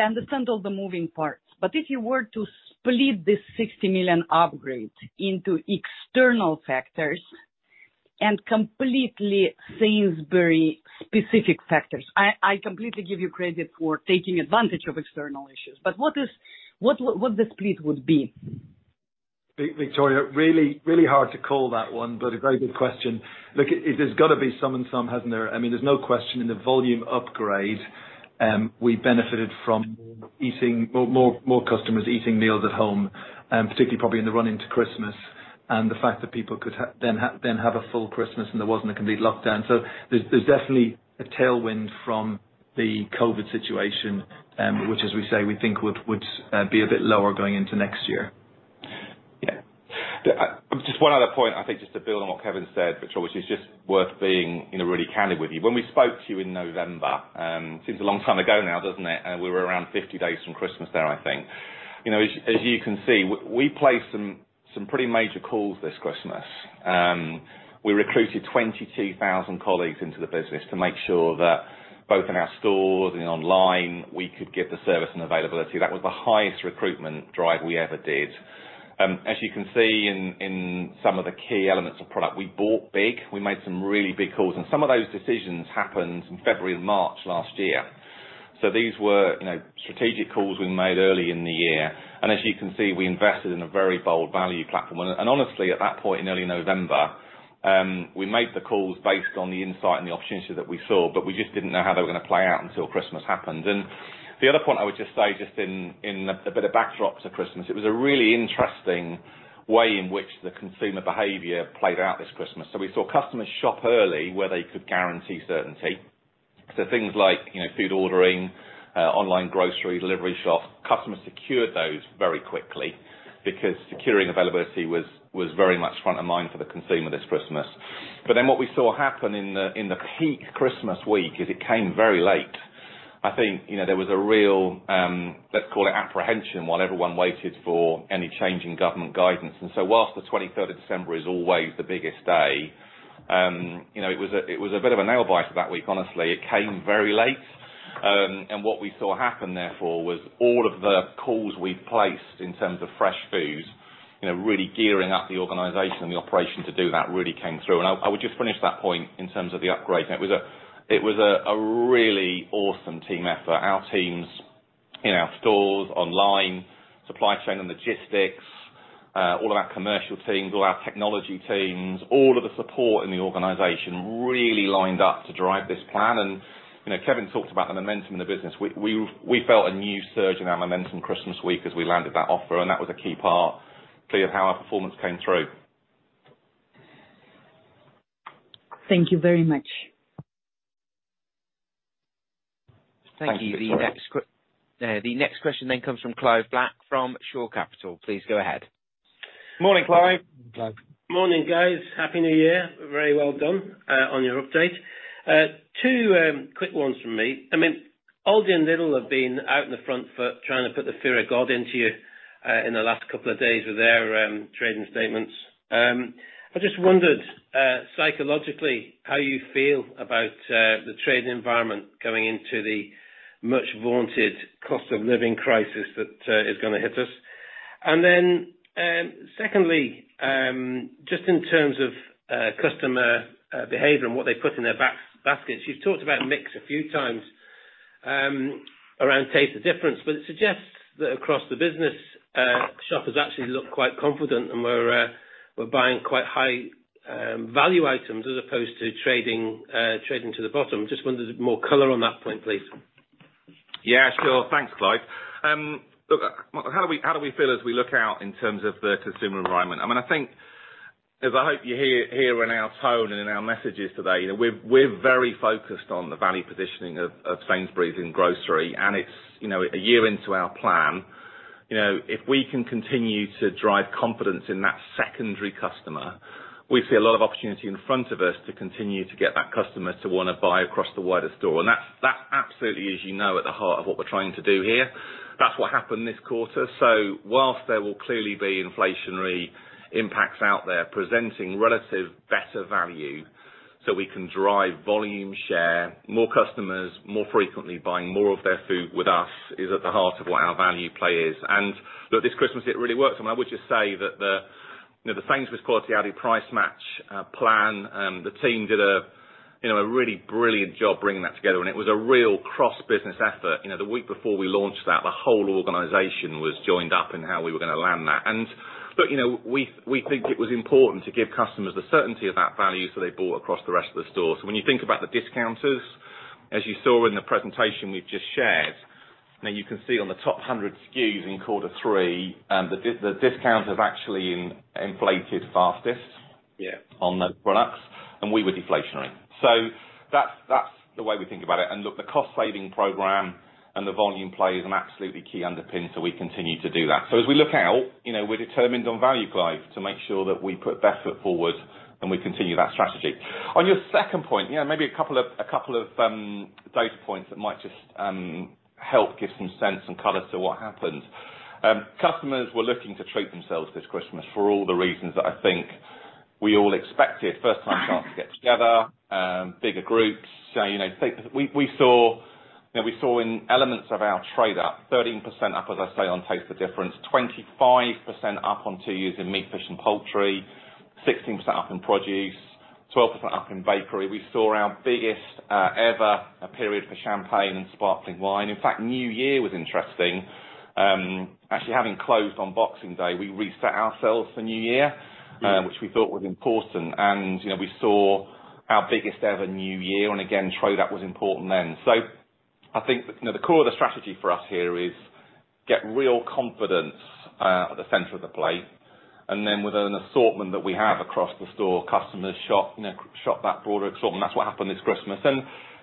I understand all the moving parts, but if you were to split this 60 million upgrade into external factors and completely Sainsbury's specific factors, I completely give you credit for taking advantage of external issues. What is the split? Victoria, really hard to call that one, but a very good question. Look, it has got to be some and some, hasn't there? I mean, there's no question in the volume upgrade, we benefited from more customers eating meals at home, particularly probably in the run into Christmas and the fact that people could then have a full Christmas and there wasn't a complete lockdown. There's definitely a tailwind from the COVID situation, which as we say, we think would be a bit lower going into next year. Yeah. I just one other point, I think just to build on what Kevin said, Victoria, which is just worth being, you know, really candid with you. When we spoke to you in November, seems a long time ago now, doesn't it? We were around 50 days from Christmas there, I think. You know, as you can see, we placed some pretty major calls this Christmas. We recruited 22,000 colleagues into the business to make sure that both in our stores and online, we could give the service and availability. That was the highest recruitment drive we ever did. As you can see in some of the key elements of product, we bought big, we made some really big calls, and some of those decisions happened in February and March last year. These were, you know, strategic calls we made early in the year. As you can see, we invested in a very bold value platform. And honestly, at that point in early November, we made the calls based on the insight and the opportunity that we saw, but we just didn't know how they were gonna play out until Christmas happened. The other point I would just say, just in a bit of backdrop to Christmas, it was a really interesting way in which the consumer behavior played out this Christmas. We saw customers shop early where they could guarantee certainty. Things like, you know, food ordering, online grocery delivery shops, customers secured those very quickly because securing availability was very much front of mind for the consumer this Christmas. What we saw happen in the peak Christmas week is it came very late. I think, you know, there was a real, let's call it apprehension, while everyone waited for any change in government guidance. Whilst the 23rd of December is always the biggest day, you know, it was a bit of a nail bite that week, honestly. It came very late. What we saw happen therefore was all of the calls we placed in terms of fresh foods. You know, really gearing up the organization and the operation to do that really came through. I would just finish that point in terms of the upgrade. It was a really awesome team effort. Our teams in our stores, online, supply chain and logistics, all of our commercial teams, all our technology teams, all of the support in the organization really lined up to drive this plan. You know, Kevin talked about the momentum of the business. We felt a new surge in our momentum Christmas week as we landed that offer, and that was a key part, clearly, of how our performance came through. Thank you very much. Thank you. Thank you. The next question then comes from Clive Black from Shore Capital. Please go ahead. Morning, Clive. Morning, Clive. Morning, guys. Happy New Year. Very well done on your update. Two quick ones from me. I mean, Aldi and Lidl have been out in the front foot trying to put the fear of God into you in the last couple of days with their trading statements. I just wondered psychologically how you feel about the trading environment going into the much vaunted cost of living crisis that is gonna hit us. Secondly, just in terms of customer behavior and what they put in their baskets, you've talked about mix a few times around Taste the Difference, but it suggests that across the business shoppers actually look quite confident and were buying quite high value items as opposed to trading to the bottom. Just wondered more color on that point, please. Yeah, sure. Thanks, Clive. Look, how do we feel as we look out in terms of the consumer environment? I mean, I think, as I hope you hear in our tone and in our messages today, you know, we're very focused on the value positioning of Sainsbury's in grocery. It's, you know, a year into our plan, you know, if we can continue to drive confidence in that secondary customer, we see a lot of opportunity in front of us to continue to get that customer to wanna buy across the wider store. That's, that absolutely is, you know, at the heart of what we're trying to do here. That's what happened this quarter. While there will clearly be inflationary impacts out there, presenting relative better value so we can drive volume share, more customers, more frequently buying more of their food with us is at the heart of what our value play is. Look, this Christmas, it really worked. I mean, I would just say that the, you know, the Sainsbury's Quality, Aldi Price Match plan, the team did a, you know, a really brilliant job bringing that together, and it was a real cross business effort. You know, the week before we launched that, the whole organization was joined up in how we were gonna land that. Look, you know, we think it was important to give customers the certainty of that value, so they bought across the rest of the store. When you think about the discounters, as you saw in the presentation we've just shared, now you can see on the top 100 SKUs in quarter three, the discounters have actually inflated fastest. Yeah on those products and we were deflationary. That's the way we think about it. Look, the cost saving program and the volume play is an absolutely key underpin, so we continue to do that. As we look out, you know, we're determined on value, Clive, to make sure that we put best foot forward and we continue that strategy. On your second point, you know, maybe a couple of data points that might just help give some sense and color to what happened. Customers were looking to treat themselves this Christmas for all the reasons that I think we all expected. First time starting to get together, bigger groups. You know, we saw in elements of our trade up 13% up, as I say, on Taste the Difference. 25% up on two years in meat, fish and poultry, 16% up in produce, 12% up in bakery. We saw our biggest ever period for champagne and sparkling wine. In fact, New Year was interesting. Actually having closed on Boxing Day, we reset ourselves for New Year, which we thought was important. You know, we saw our biggest ever New Year and again, trade-up was important then. I think, you know, the core of the strategy for us here is get real confidence at the center of the plate. With an assortment that we have across the store, customers shop, you know, shop that broader assortment. That's what happened this Christmas. You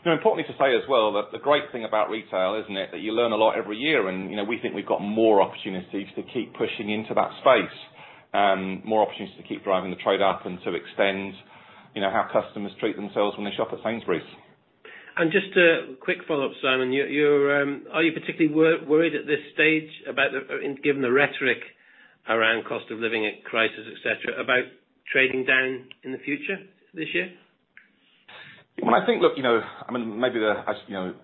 know, importantly to say as well that the great thing about retail, isn't it? That you learn a lot every year and, you know, we think we've got more opportunities to keep pushing into that space. More opportunities to keep driving the trade up and to extend, you know, how customers treat themselves when they shop at Sainsbury's. Just a quick follow-up, Simon. Are you particularly worried at this stage about, given the rhetoric around cost of living crisis, et cetera, about trading down in the future this year? Well, I think, look, you know, I mean,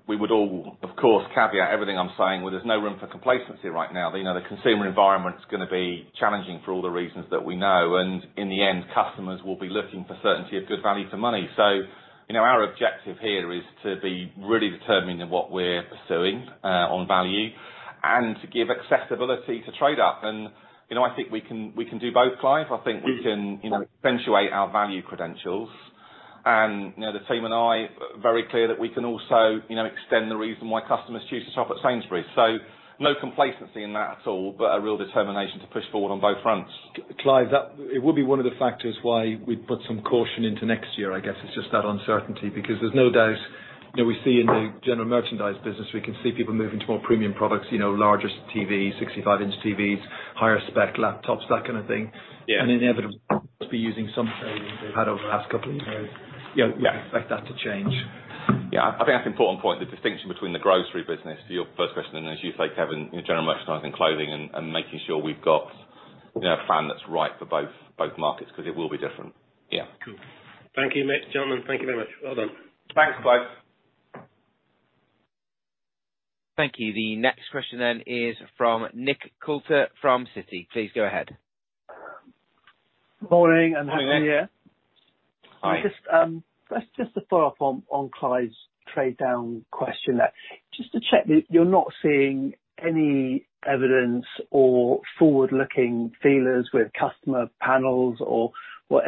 we would all, of course, caveat everything I'm saying, where there's no room for complacency right now. You know, the consumer environment's gonna be challenging for all the reasons that we know. In the end, customers will be looking for certainty of good value for money. You know, our objective here is to be really determined in what we're pursuing on value and to give accessibility to trade up. You know, I think we can do both, Clive. I think we can, you know, accentuate our value credentials. You know, the team and I are very clear that we can also, you know, extend the reason why customers choose to shop at Sainsbury's. No complacency in that at all, but a real determination to push forward on both fronts. Clive, it would be one of the factors why we'd put some caution into next year, I guess, is just that uncertainty. Because there's no doubt, you know, we see in the general merchandise business, we can see people moving to more premium products, you know, larger TVs, 65-inch TVs, higher spec laptops, that kind of thing. Yeah. Inevitably be using some savings they've had over the past couple of years. Yeah. You know, we expect that to change. Yeah. I think that's an important point, the distinction between the grocery business, to your first question, and as you say, Kevin, in general merchandise and clothing and making sure we've got, you know, a plan that's right for both markets, 'cause it will be different. Yeah. Cool. Thank you, gentlemen. Thank you very much. Well done. Thanks, Clive. Thank you. The next question then is from Nick Coulter from Citi. Please go ahead. Morning, and happy New Year. Morning. Hi. That's just to follow up on Clive's trade down question there. Just to check that you're not seeing any evidence or forward-looking feelers with customer panels or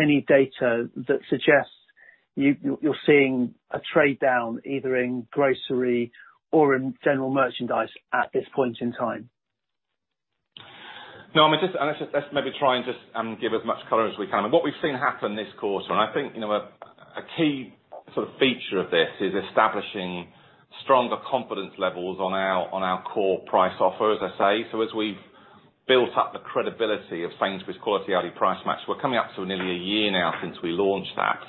any data that suggests you're seeing a trade down either in grocery or in general merchandise at this point in time? No, I mean, maybe try and give as much color as we can. What we've seen happen this quarter, and I think, you know, a key sort of feature of this is establishing stronger confidence levels on our core price offer, as I say. As we've built up the credibility of Sainsbury's Quality, Aldi Price Match, we're coming up to nearly a year now since we launched that.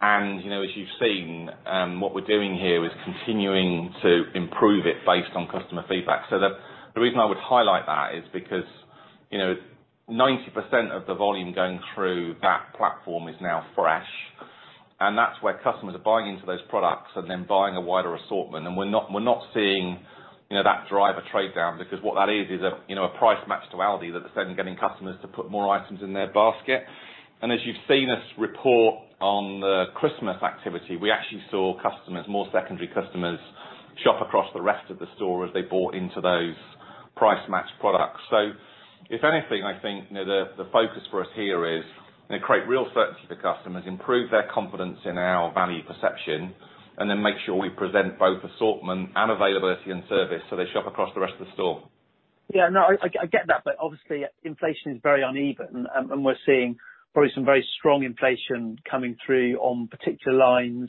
You know, as you've seen, what we're doing here is continuing to improve it based on customer feedback. The reason I would highlight that is because, you know, 90% of the volume going through that platform is now fresh, and that's where customers are buying into those products and then buying a wider assortment. We're not seeing, you know, that drive a trade down because what that is a, you know, a price match to Aldi that's then getting customers to put more items in their basket. As you've seen us report on the Christmas activity, we actually saw customers, more secondary customers, shop across the rest of the store as they bought into those price match products. If anything, I think, you know, the focus for us here is you know, create real certainty for customers, improve their confidence in our value perception, and then make sure we present both assortment and availability and service so they shop across the rest of the store. Yeah, no, I get that. Obviously, inflation is very uneven and we're seeing probably some very strong inflation coming through on particular lines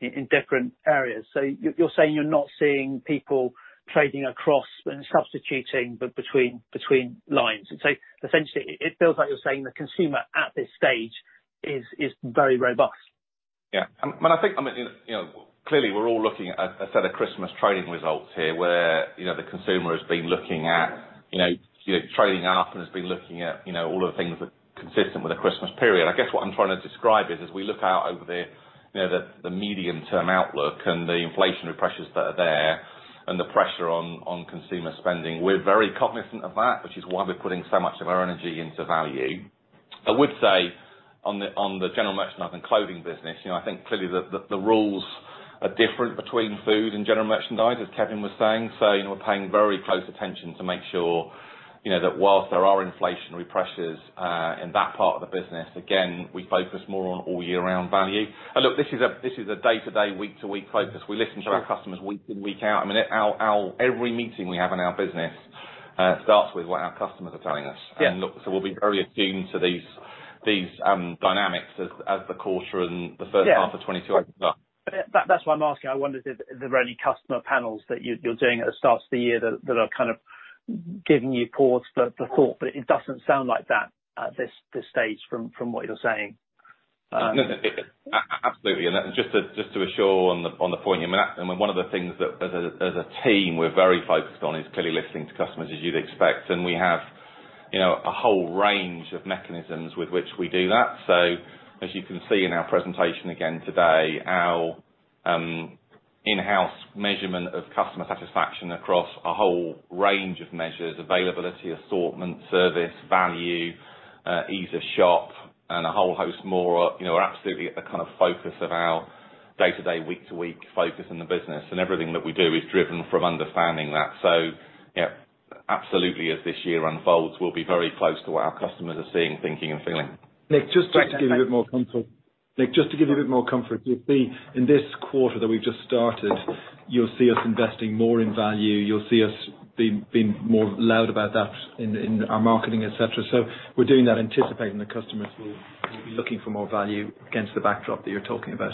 in different areas. You're saying you're not seeing people trading across and substituting between lines. Essentially it feels like you're saying the consumer at this stage is very robust. Yeah. I think, I mean, you know, clearly we're all looking at a set of Christmas trading results here where the consumer has been looking at trading up and has been looking at all the things that are consistent with the Christmas period. I guess what I'm trying to describe is as we look out over the medium-term outlook and the inflationary pressures that are there and the pressure on consumer spending, we're very cognizant of that, which is why we're putting so much of our energy into value. I would say on the general merchandise and clothing business, you know, I think clearly the rules are different between food and general merchandise, as Kevin was saying. You know, we're paying very close attention to make sure, you know, that whilst there are inflationary pressures in that part of the business, again, we focus more on all year-round value. Look, this is a day-to-day, week-to-week focus. We listen to our customers week in, week out. I mean, our every meeting we have in our business starts with what our customers are telling us. Yeah. Look, so we'll be very attuned to these dynamics as the quarter and the first- Yeah Second half of 2022 opens up. That's why I'm asking. I wondered if there are any customer panels that you're doing at the start of the year that are kind of giving you pause for thought, but it doesn't sound like that at this stage from what you're saying. No, no. Absolutely. Just to assure on the point you make, I mean, one of the things that as a team we're very focused on is clearly listening to customers, as you'd expect. We have, you know, a whole range of mechanisms with which we do that. As you can see in our presentation again today, our in-house measurement of customer satisfaction across a whole range of measures, availability, assortment, service, value, ease of shop, and a whole host more are you know absolutely at the kind of focus of our day-to-day, week-to-week focus in the business. Everything that we do is driven from understanding that. Yeah, absolutely as this year unfolds, we'll be very close to what our customers are seeing, thinking and feeling. Nick, just to give you a bit more comfort, you'll see in this quarter that we've just started, you'll see us investing more in value. You'll see us being more loud about that in our marketing, et cetera. We're doing that anticipating the customers will be looking for more value against the backdrop that you're talking about.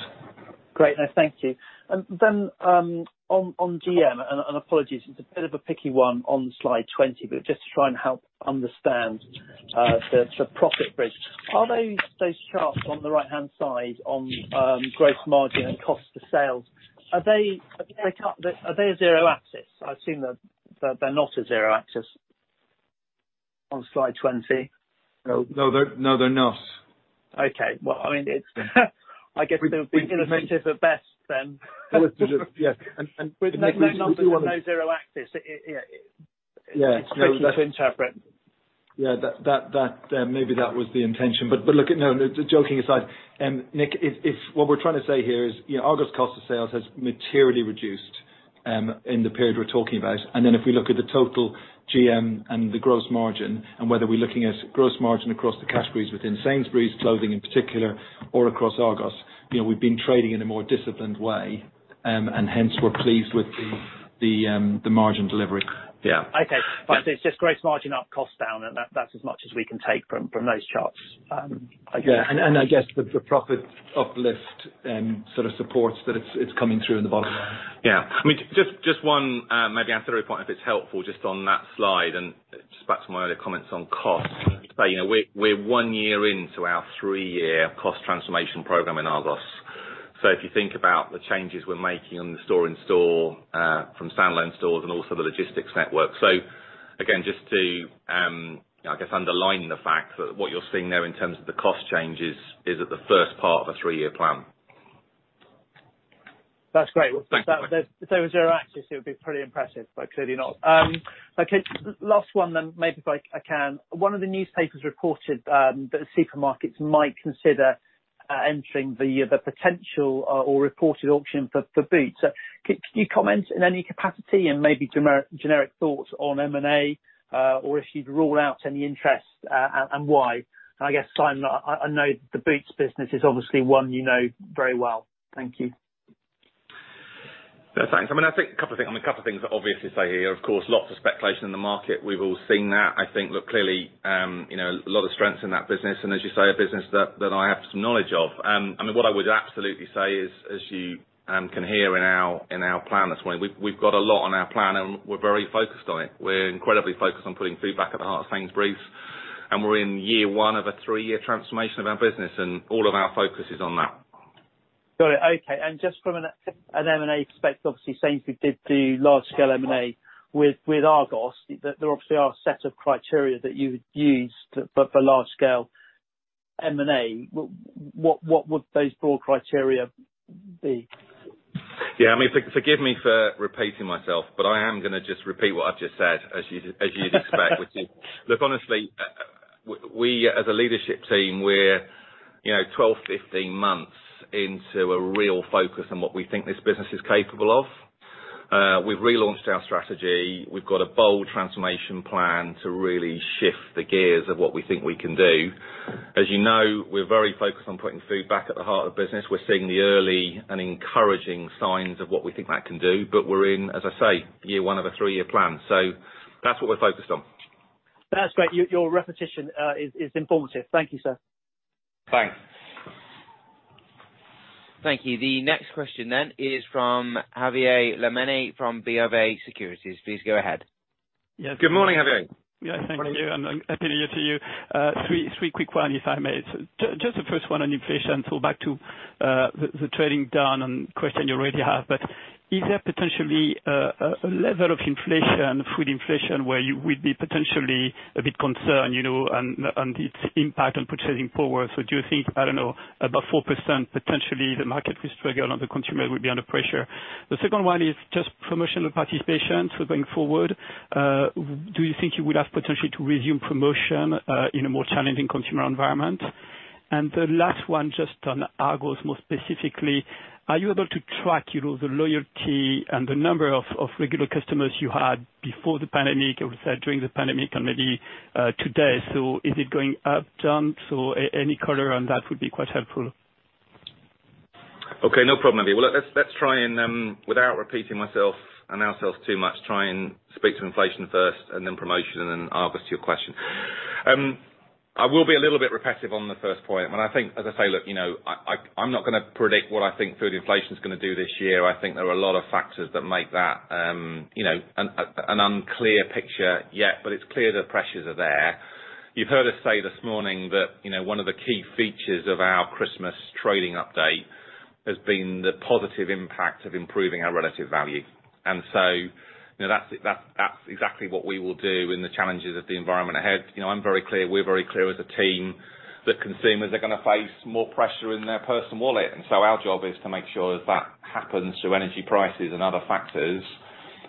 Great. No, thank you. On GM, and apologies, it's a bit of a picky one on slide 20, but just to try and help understand the profit bridge. Are those charts on the right-hand side on gross margin and cost of sales a zero axis? I assume that they're not a zero axis on slide 20. No, they're not. Okay. Well, I mean, it's I guess they would be illustrative at best then. Illustrative, yes. We do want With no numbers and no zero axis, it. Yeah it's tricky to interpret. Yeah. That maybe that was the intention. Look. No, joking aside, Nick, if what we're trying to say here is, you know, Argos' cost of sales has materially reduced in the period we're talking about. If we look at the total GM and the gross margin, and whether we're looking at gross margin across the categories within Sainsbury's, clothing in particular or across Argos, you know, we've been trading in a more disciplined way, and hence we're pleased with the margin delivery. Yeah. Okay. Right. It's just gross margin up, cost down, and that's as much as we can take from those charts, I guess. Yeah. I guess with the profit uplift sort of supports that it's coming through in the bottom line. Yeah. I mean, just one maybe ancillary point if it's helpful just on that slide, and just back to my earlier comments on costs. You know, we're one year into our three-year cost transformation program in Argos. If you think about the changes we're making on the store from standalone stores and also the logistics network. Again, just to I guess underline the fact that what you're seeing there in terms of the cost changes is at the first part of a three-year plan. That's great. Thanks. If that was your axis, it would be pretty impressive, but clearly not. Okay, last one then, maybe if I can. One of the newspapers reported that supermarkets might consider entering the potential or reported auction for Boots. Can you comment in any capacity and maybe generic thoughts on M&A, or if you'd rule out any interest, and why? I guess, Simon, I know the Boots business is obviously one you know very well. Thank you. Yeah, thanks. I mean, I think a couple things that obviously, of course, lots of speculation in the market. We've all seen that. I think, look, clearly, you know, a lot of strengths in that business and as you say, a business that I have some knowledge of. I mean, what I would absolutely say is, as you can hear in our plan this morning, we've got a lot on our plan and we're very focused on it. We're incredibly focused on putting food back at the heart of things, Bruce, and we're in year one of a three-year transformation of our business and all of our focus is on that. Got it. Okay. Just from an M&A perspective, obviously, Sainsbury's did do large scale M&A with Argos. There obviously are a set of criteria that you would use for large scale M&A. What would those broad criteria be? Yeah, I mean, forgive me for repeating myself, but I am gonna just repeat what I've just said, as you'd expect, which is, look, honestly, we as a leadership team, we're, you know, 12, 15 months into a real focus on what we think this business is capable of. We've relaunched our strategy. We've got a bold transformation plan to really shift the gears of what we think we can do. As you know, we're very focused on putting food back at the heart of business. We're seeing the early and encouraging signs of what we think that can do, but we're in, as I say, year one of a three-year plan. That's what we're focused on. That's great. Your repetition is informative. Thank you, sir. Thanks. Thank you. The next question then is from Xavier Le Mené from BofA Securities. Please go ahead. Good morning, Xavier. Yeah, thank you. Happy New Year to you. Three quick one, if I may. Just the first one on inflation. Back to the trading down and question you already have, but is there potentially a level of inflation, food inflation, where you would be potentially a bit concerned, you know, and its impact on purchasing power? Do you think, I don't know, above 4% potentially the market is struggling or the consumer will be under pressure? The second one is just promotional participation. Going forward, do you think you would have potentially to resume promotion in a more challenging consumer environment? The last one, just on Argos more specifically, are you able to track, you know, the loyalty and the number of regular customers you had before the pandemic, or was that during the pandemic and maybe today? Is it going up, down? Any color on that would be quite helpful. Okay, no problem. Well, let's try and without repeating myself and ourselves too much, try and speak to inflation first and then promotion and then Argos to your question. I will be a little bit repetitive on the first point, but I think, as I say, look, you know, I'm not gonna predict what I think food inflation is gonna do this year. I think there are a lot of factors that make that, you know, an unclear picture yet, but it's clear the pressures are there. You've heard us say this morning that, you know, one of the key features of our Christmas trading update has been the positive impact of improving our relative value. You know, that's exactly what we will do in the challenges of the environment ahead. You know, I'm very clear, we're very clear as a team that consumers are gonna face more pressure in their personal wallet. Our job is to make sure as that happens through energy prices and other factors,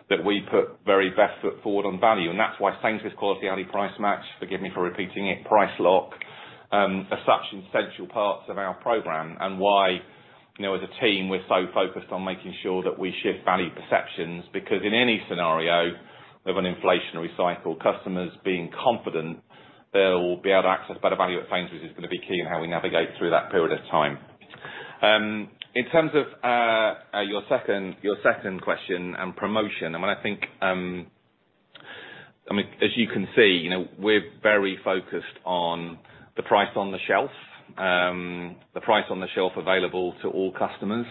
that we put very best foot forward on value. That's why Sainsbury's Quality, Aldi Price Match, forgive me for repeating it, Price Lock are such essential parts of our program and why, you know, as a team, we're so focused on making sure that we shift value perceptions because in any scenario of an inflationary cycle, customers being confident they'll be able to access better value at Sainsbury's is gonna be key in how we navigate through that period of time. In terms of your second question on promotion, I mean, I think, I mean, as you can see, you know, we're very focused on the price on the shelf, the price on the shelf available to all customers.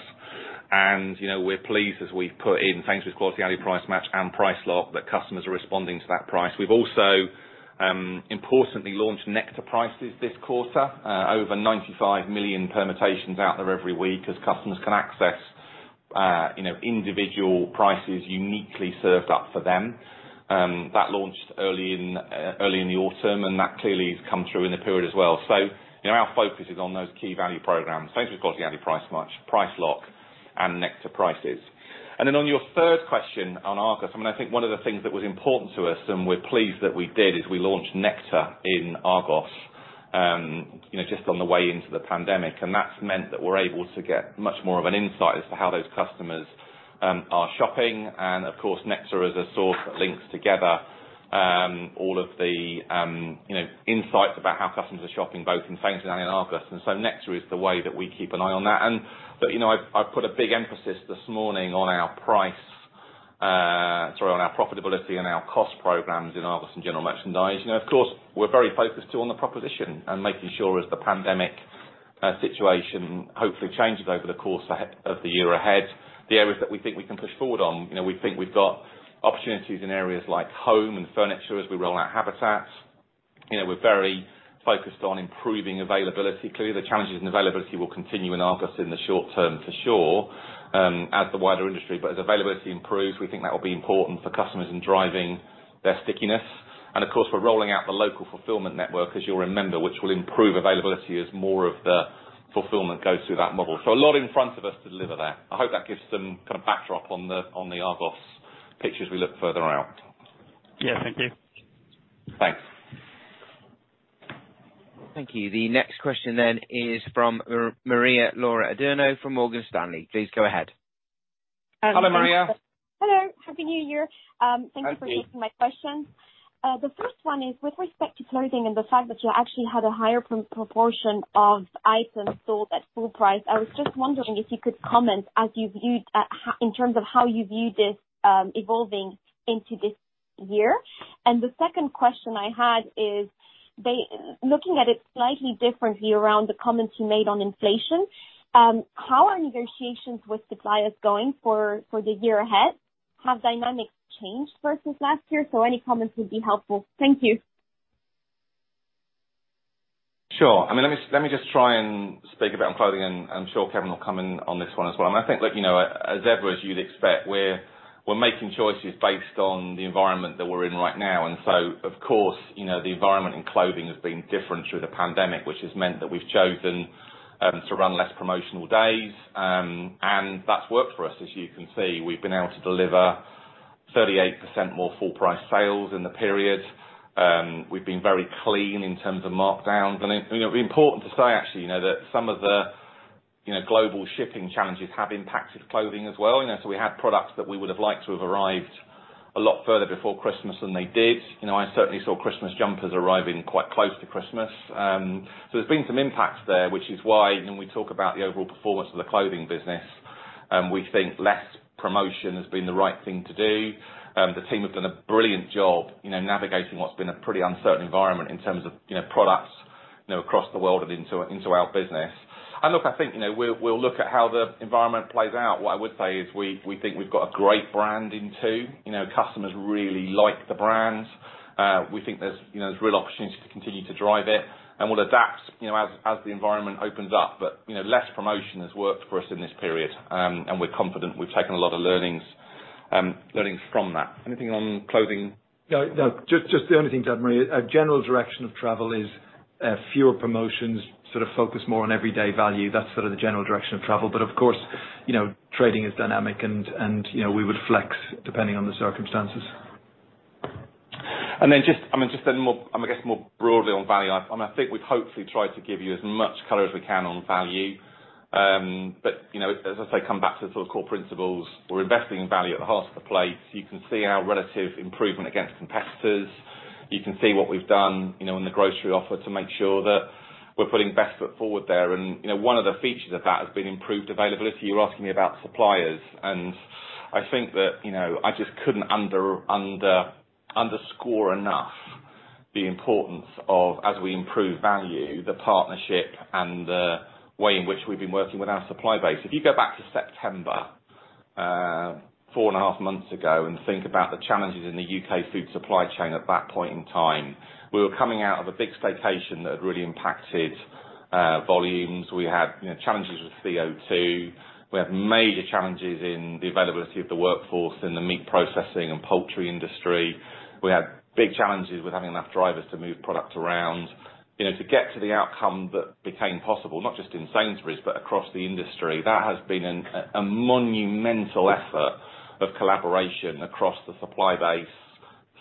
You know, we're pleased as we've put in Sainsbury's Quality, Aldi Price Match and Price Lock that customers are responding to that price. We've also importantly launched Nectar Prices this quarter, over 95 million permutations out there every week as customers can access, you know, individual prices uniquely served up for them. That launched early in the autumn, and that clearly has come through in the period as well. You know, our focus is on those key value programs. Sainsbury's Quality, Aldi Price Match, Price Lock and Nectar Prices. Then on your third question on Argos, I mean, I think one of the things that was important to us, and we're pleased that we did, is we launched Nectar in Argos, you know, just on the way into the pandemic. That's meant that we're able to get much more of an insight as to how those customers are shopping. Of course, Nectar is a source that links together all of the, you know, insights about how customers are shopping both in Sainsbury's and in Argos. Nectar is the way that we keep an eye on that. Look, you know, I put a big emphasis this morning on our profitability and our cost programs in Argos and general merchandise. You know, of course, we're very focused, too, on the proposition and making sure as the pandemic situation hopefully changes over the course of the year ahead, the areas that we think we can push forward on. You know, we think we've got opportunities in areas like home and furniture as we roll out Habitat. You know, we're very focused on improving availability. Clearly, the challenges in availability will continue in Argos in the short term for sure, as the wider industry. As availability improves, we think that will be important for customers in driving their stickiness. Of course, we're rolling out the local fulfillment network, as you'll remember, which will improve availability as more of the fulfillment goes through that model. A lot in front of us to deliver there. I hope that gives some kind of backdrop on the Argos picture as we look further out. Yeah. Thank you. Thanks. Thank you. The next question then is from Maria-Laura Adurno from Morgan Stanley. Please go ahead. Hello, Maria. Hello. Happy New Year. And to you. Thank you for taking my question. The first one is with respect to clothing and the fact that you actually had a higher proportion of items sold at full price. I was just wondering if you could comment in terms of how you view this evolving into this year. The second question I had is looking at it slightly differently around the comments you made on inflation. How are negotiations with suppliers going for the year ahead? Have dynamics changed versus last year? Any comments would be helpful. Thank you. Sure. I mean, let me just try and speak about clothing, and I'm sure Kevin will come in on this one as well. I think, look, you know, as ever, as you'd expect, we're making choices based on the environment that we're in right now. Of course, you know, the environment in clothing has been different through the pandemic, which has meant that we've chosen to run less promotional days, and that's worked for us, as you can see. We've been able to deliver 38% more full price sales in the period. We've been very clean in terms of markdowns. It's, you know, important to say actually, you know, that some of the global shipping challenges have impacted clothing as well, you know. We had products that we would have liked to have arrived a lot further before Christmas than they did. You know, I certainly saw Christmas jumpers arriving quite close to Christmas. There's been some impacts there, which is why when we talk about the overall performance of the clothing business, we think less promotion has been the right thing to do. The team have done a brilliant job, you know, navigating what's been a pretty uncertain environment in terms of, you know, products, you know, across the world and into our business. Look, I think, you know, we'll look at how the environment plays out. What I would say is we think we've got a great brand in Tu. You know, customers really like the brands. We think there's, you know, there's real opportunity to continue to drive it, and we'll adapt, you know, as the environment opens up. You know, less promotion has worked for us in this period, and we're confident we've taken a lot of learnings from that. Anything on clothing? No, no. Just the only thing to add, Maria, a general direction of travel is fewer promotions, sort of focus more on everyday value. That's sort of the general direction of travel. Of course, you know, trading is dynamic and, you know, we would flex depending on the circumstances. I guess more broadly on value, and I think we've hopefully tried to give you as much color as we can on value. You know, I say, come back to the sort of core principles. We're investing in value at the heart of the plate. You can see our relative improvement against competitors. You can see what we've done, you know, in the grocery offer to make sure that we're putting best foot forward there. You know, one of the features of that has been improved availability. You were asking me about suppliers, and I think that, you know, I just couldn't underscore enough the importance of, as we improve value, the partnership and the way in which we've been working with our supply base. If you go back to September, four and a half months ago, and think about the challenges in the U.K. food supply chain at that point in time, we were coming out of a big staycation that had really impacted volumes. We had, you know, challenges with CO2. We had major challenges in the availability of the workforce in the meat processing and poultry industry. We had big challenges with having enough drivers to move product around. You know, to get to the outcome that became possible, not just in Sainsbury's, but across the industry, that has been a monumental effort of collaboration across the supply base,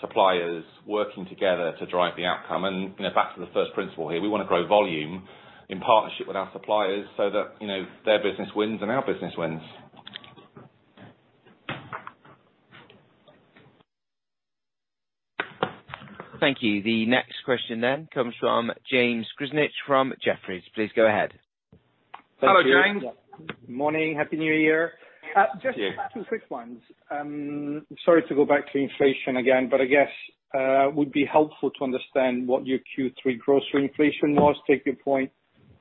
suppliers working together to drive the outcome. You know, back to the first principle here, we wanna grow volume in partnership with our suppliers so that, you know, their business wins and our business wins. Thank you. The next question comes from James Grzinic from Jefferies. Please go ahead. Hello, James. Thank you. Morning. Happy New Year. And to you. Just two quick ones. Sorry to go back to inflation again, but I guess would be helpful to understand what your Q3 grocery inflation was. Take your point,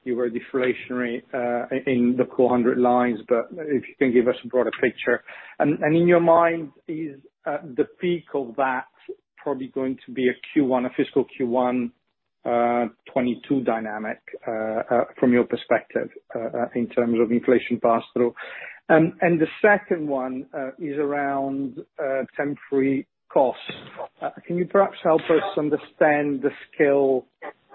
you were deflationary in the core hundred lines, but if you can give us a broader picture. In your mind, is the peak of that probably going to be a Q1, a fiscal Q1 2022 dynamic, from your perspective, in terms of inflation pass-through? The second one is around temporary costs. Can you perhaps help us understand the scale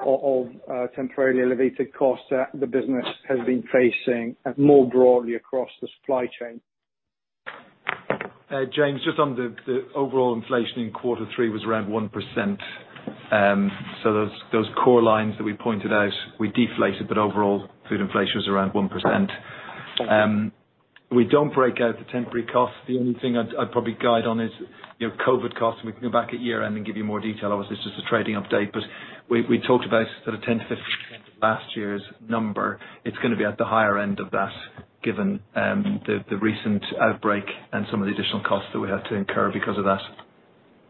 of temporarily elevated costs that the business has been facing more broadly across the supply chain? James, just on the overall inflation in quarter three was around 1%. Those core lines that we pointed out, we deflated, but overall food inflation was around 1%. Thank you. We don't break out the temporary costs. The only thing I'd probably guide on is, you know, COVID costs. We can go back at year-end and give you more detail. Obviously, it's just a trading update, but we talked about sort of 10%-15% of last year's number. It's gonna be at the higher end of that given the recent outbreak and some of the additional costs that we had to incur because of that.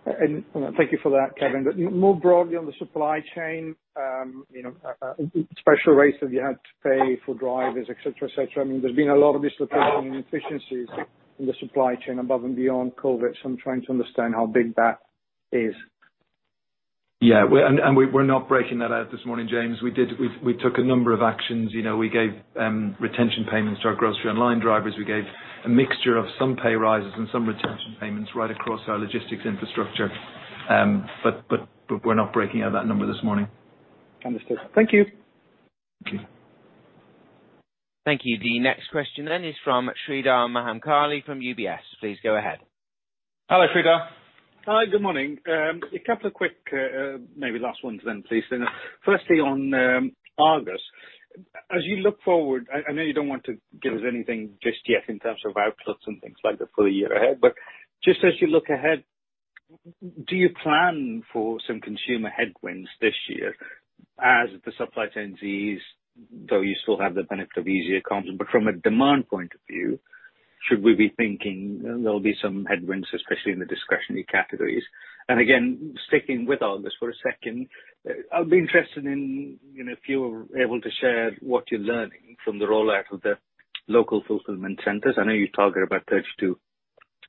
Thank you for that, Kevin. More broadly on the supply chain, you know, special rates that you had to pay for drivers, et cetera, et cetera, I mean, there's been a lot of dislocation and inefficiencies in the supply chain above and beyond COVID, so I'm trying to understand how big that is. Yeah, we're not breaking that out this morning, James. We took a number of actions, you know, we gave retention payments to our grocery online drivers. We gave a mixture of some pay raises and some retention payments right across our logistics infrastructure. We're not breaking out that number this morning. Understood. Thank you. Thank you. Thank you. The next question then is from Sreedhar Mahamkali from UBS. Please go ahead. Hello, Sreedhar. Hi, good morning. A couple of quick, maybe last ones then please. Firstly on Argos. As you look forward, I know you don't want to give us anything just yet in terms of outlooks and things like the full year ahead, but just as you look ahead, do you plan for some consumer headwinds this year as the supply chain eases, though you still have the benefit of easier comps, but from a demand point of view, should we be thinking there'll be some headwinds, especially in the discretionary categories? Again, sticking with all this for a second, I'll be interested in, you know, if you were able to share what you're learning from the rollout of the local fulfillment centers. I know you target about 32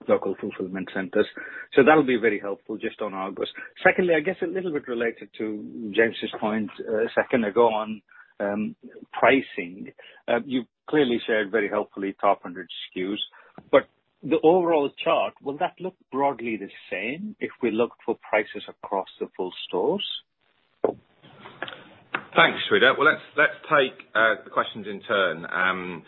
local fulfillment centers, so that'll be very helpful just on Argos. Secondly, I guess a little bit related to James' point a second ago on pricing. You've clearly said very helpfully top 100 SKUs, but the overall chart, will that look broadly the same if we look for prices across the full stores? Thanks, Sreedhar. Well, let's take the questions in turn.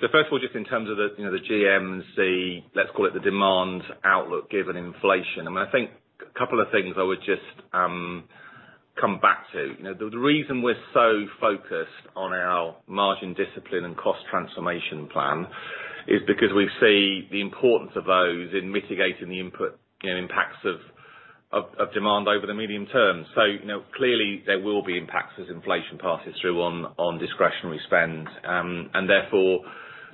So first of all, just in terms of the, you know, the GM&C, let's call it the demand outlook, given inflation, I mean, I think a couple of things I would just come back to. You know, the reason we're so focused on our margin discipline and cost transformation plan is because we see the importance of those in mitigating the input, you know, impacts of demand over the medium term. So, you know, clearly there will be impacts as inflation passes through on discretionary spend, and therefore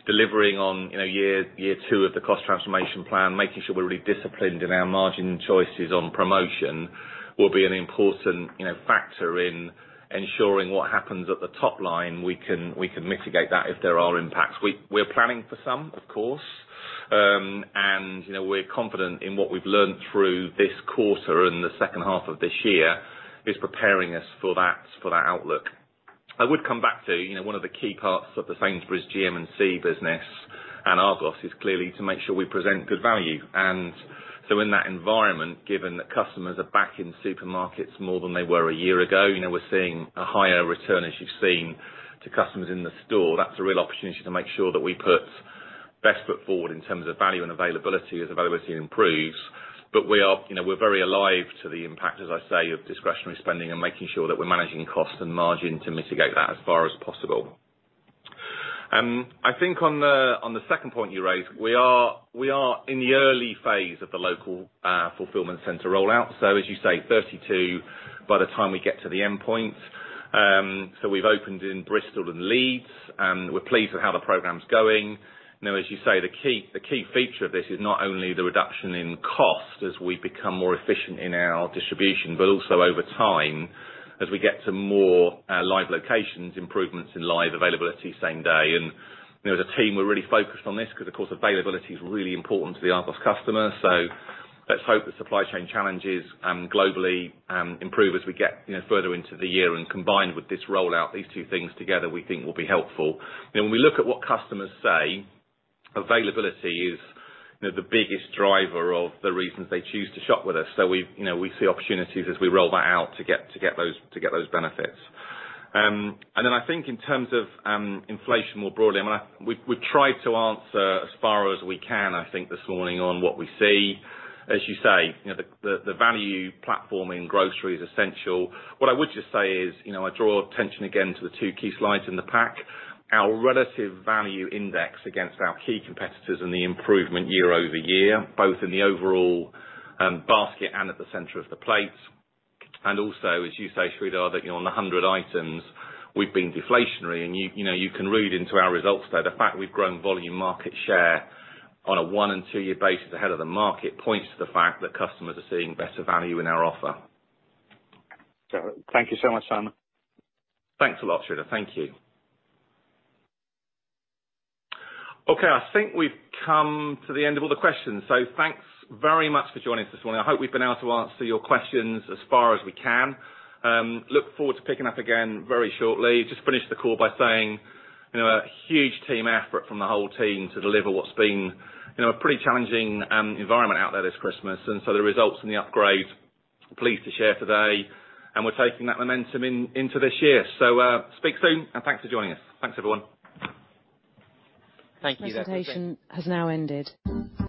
delivering on, you know, year two of the cost transformation plan. Making sure we're really disciplined in our margin choices on promotion will be an important, you know, factor in ensuring what happens at the top line. We can mitigate that if there are impacts. We're planning for some, of course, and you know, we're confident in what we've learned through this quarter and the second half of this year is preparing us for that outlook. I would come back to, you know, one of the key parts of the Sainsbury's GM&C business and Argos is clearly to make sure we present good value. In that environment, given that customers are back in supermarkets more than they were a year ago, you know, we're seeing a higher return, as you've seen, to customers in the store. That's a real opportunity to make sure that we put best foot forward in terms of value and availability as availability improves. We are, you know, we're very alive to the impact, as I say, of discretionary spending and making sure that we're managing cost and margin to mitigate that as far as possible. I think on the second point you raised, we are in the early phase of the local fulfillment center rollout. So as you say, 32 by the time we get to the endpoint. So we've opened in Bristol and Leeds, and we're pleased with how the program's going. You know, as you say, the key feature of this is not only the reduction in cost as we become more efficient in our distribution, but also over time as we get to more live locations, improvements in live availability same day. You know, as a team, we're really focused on this 'cause of course availability is really important to the Argos customer. Let's hope the supply chain challenges, globally, improve as we get, you know, further into the year. Combined with this rollout, these two things together we think will be helpful. You know, when we look at what customers say, availability is, you know, the biggest driver of the reasons they choose to shop with us. We, you know, we see opportunities as we roll that out to get those benefits. Then I think in terms of, inflation more broadly, I mean, we've tried to answer as far as we can, I think this morning on what we see. As you say, you know, the value platform in grocery is essential. What I would just say is, you know, I draw attention again to the two key slides in the pack, our relative value index against our key competitors and the improvement year-over-year, both in the overall basket and at the center of the plate. As you say, Sreedhar, you know, on the 100 items we've been deflationary and you know you can read into our results there. The fact we've grown volume market share on a one- and two-year basis ahead of the market points to the fact that customers are seeing better value in our offer. Thank you so much, Simon. Thanks a lot, Sreedhar. Thank you. Okay, I think we've come to the end of all the questions, so thanks very much for joining us this morning. I hope we've been able to answer your questions as far as we can. Look forward to picking up again very shortly. Just finish the call by saying, you know, a huge team effort from the whole team to deliver what's been, you know, a pretty challenging environment out there this Christmas. The results and the upgrade, pleased to share today, and we're taking that momentum into this year. Speak soon and thanks for joining us. Thanks, everyone. Thank you. This presentation has now ended.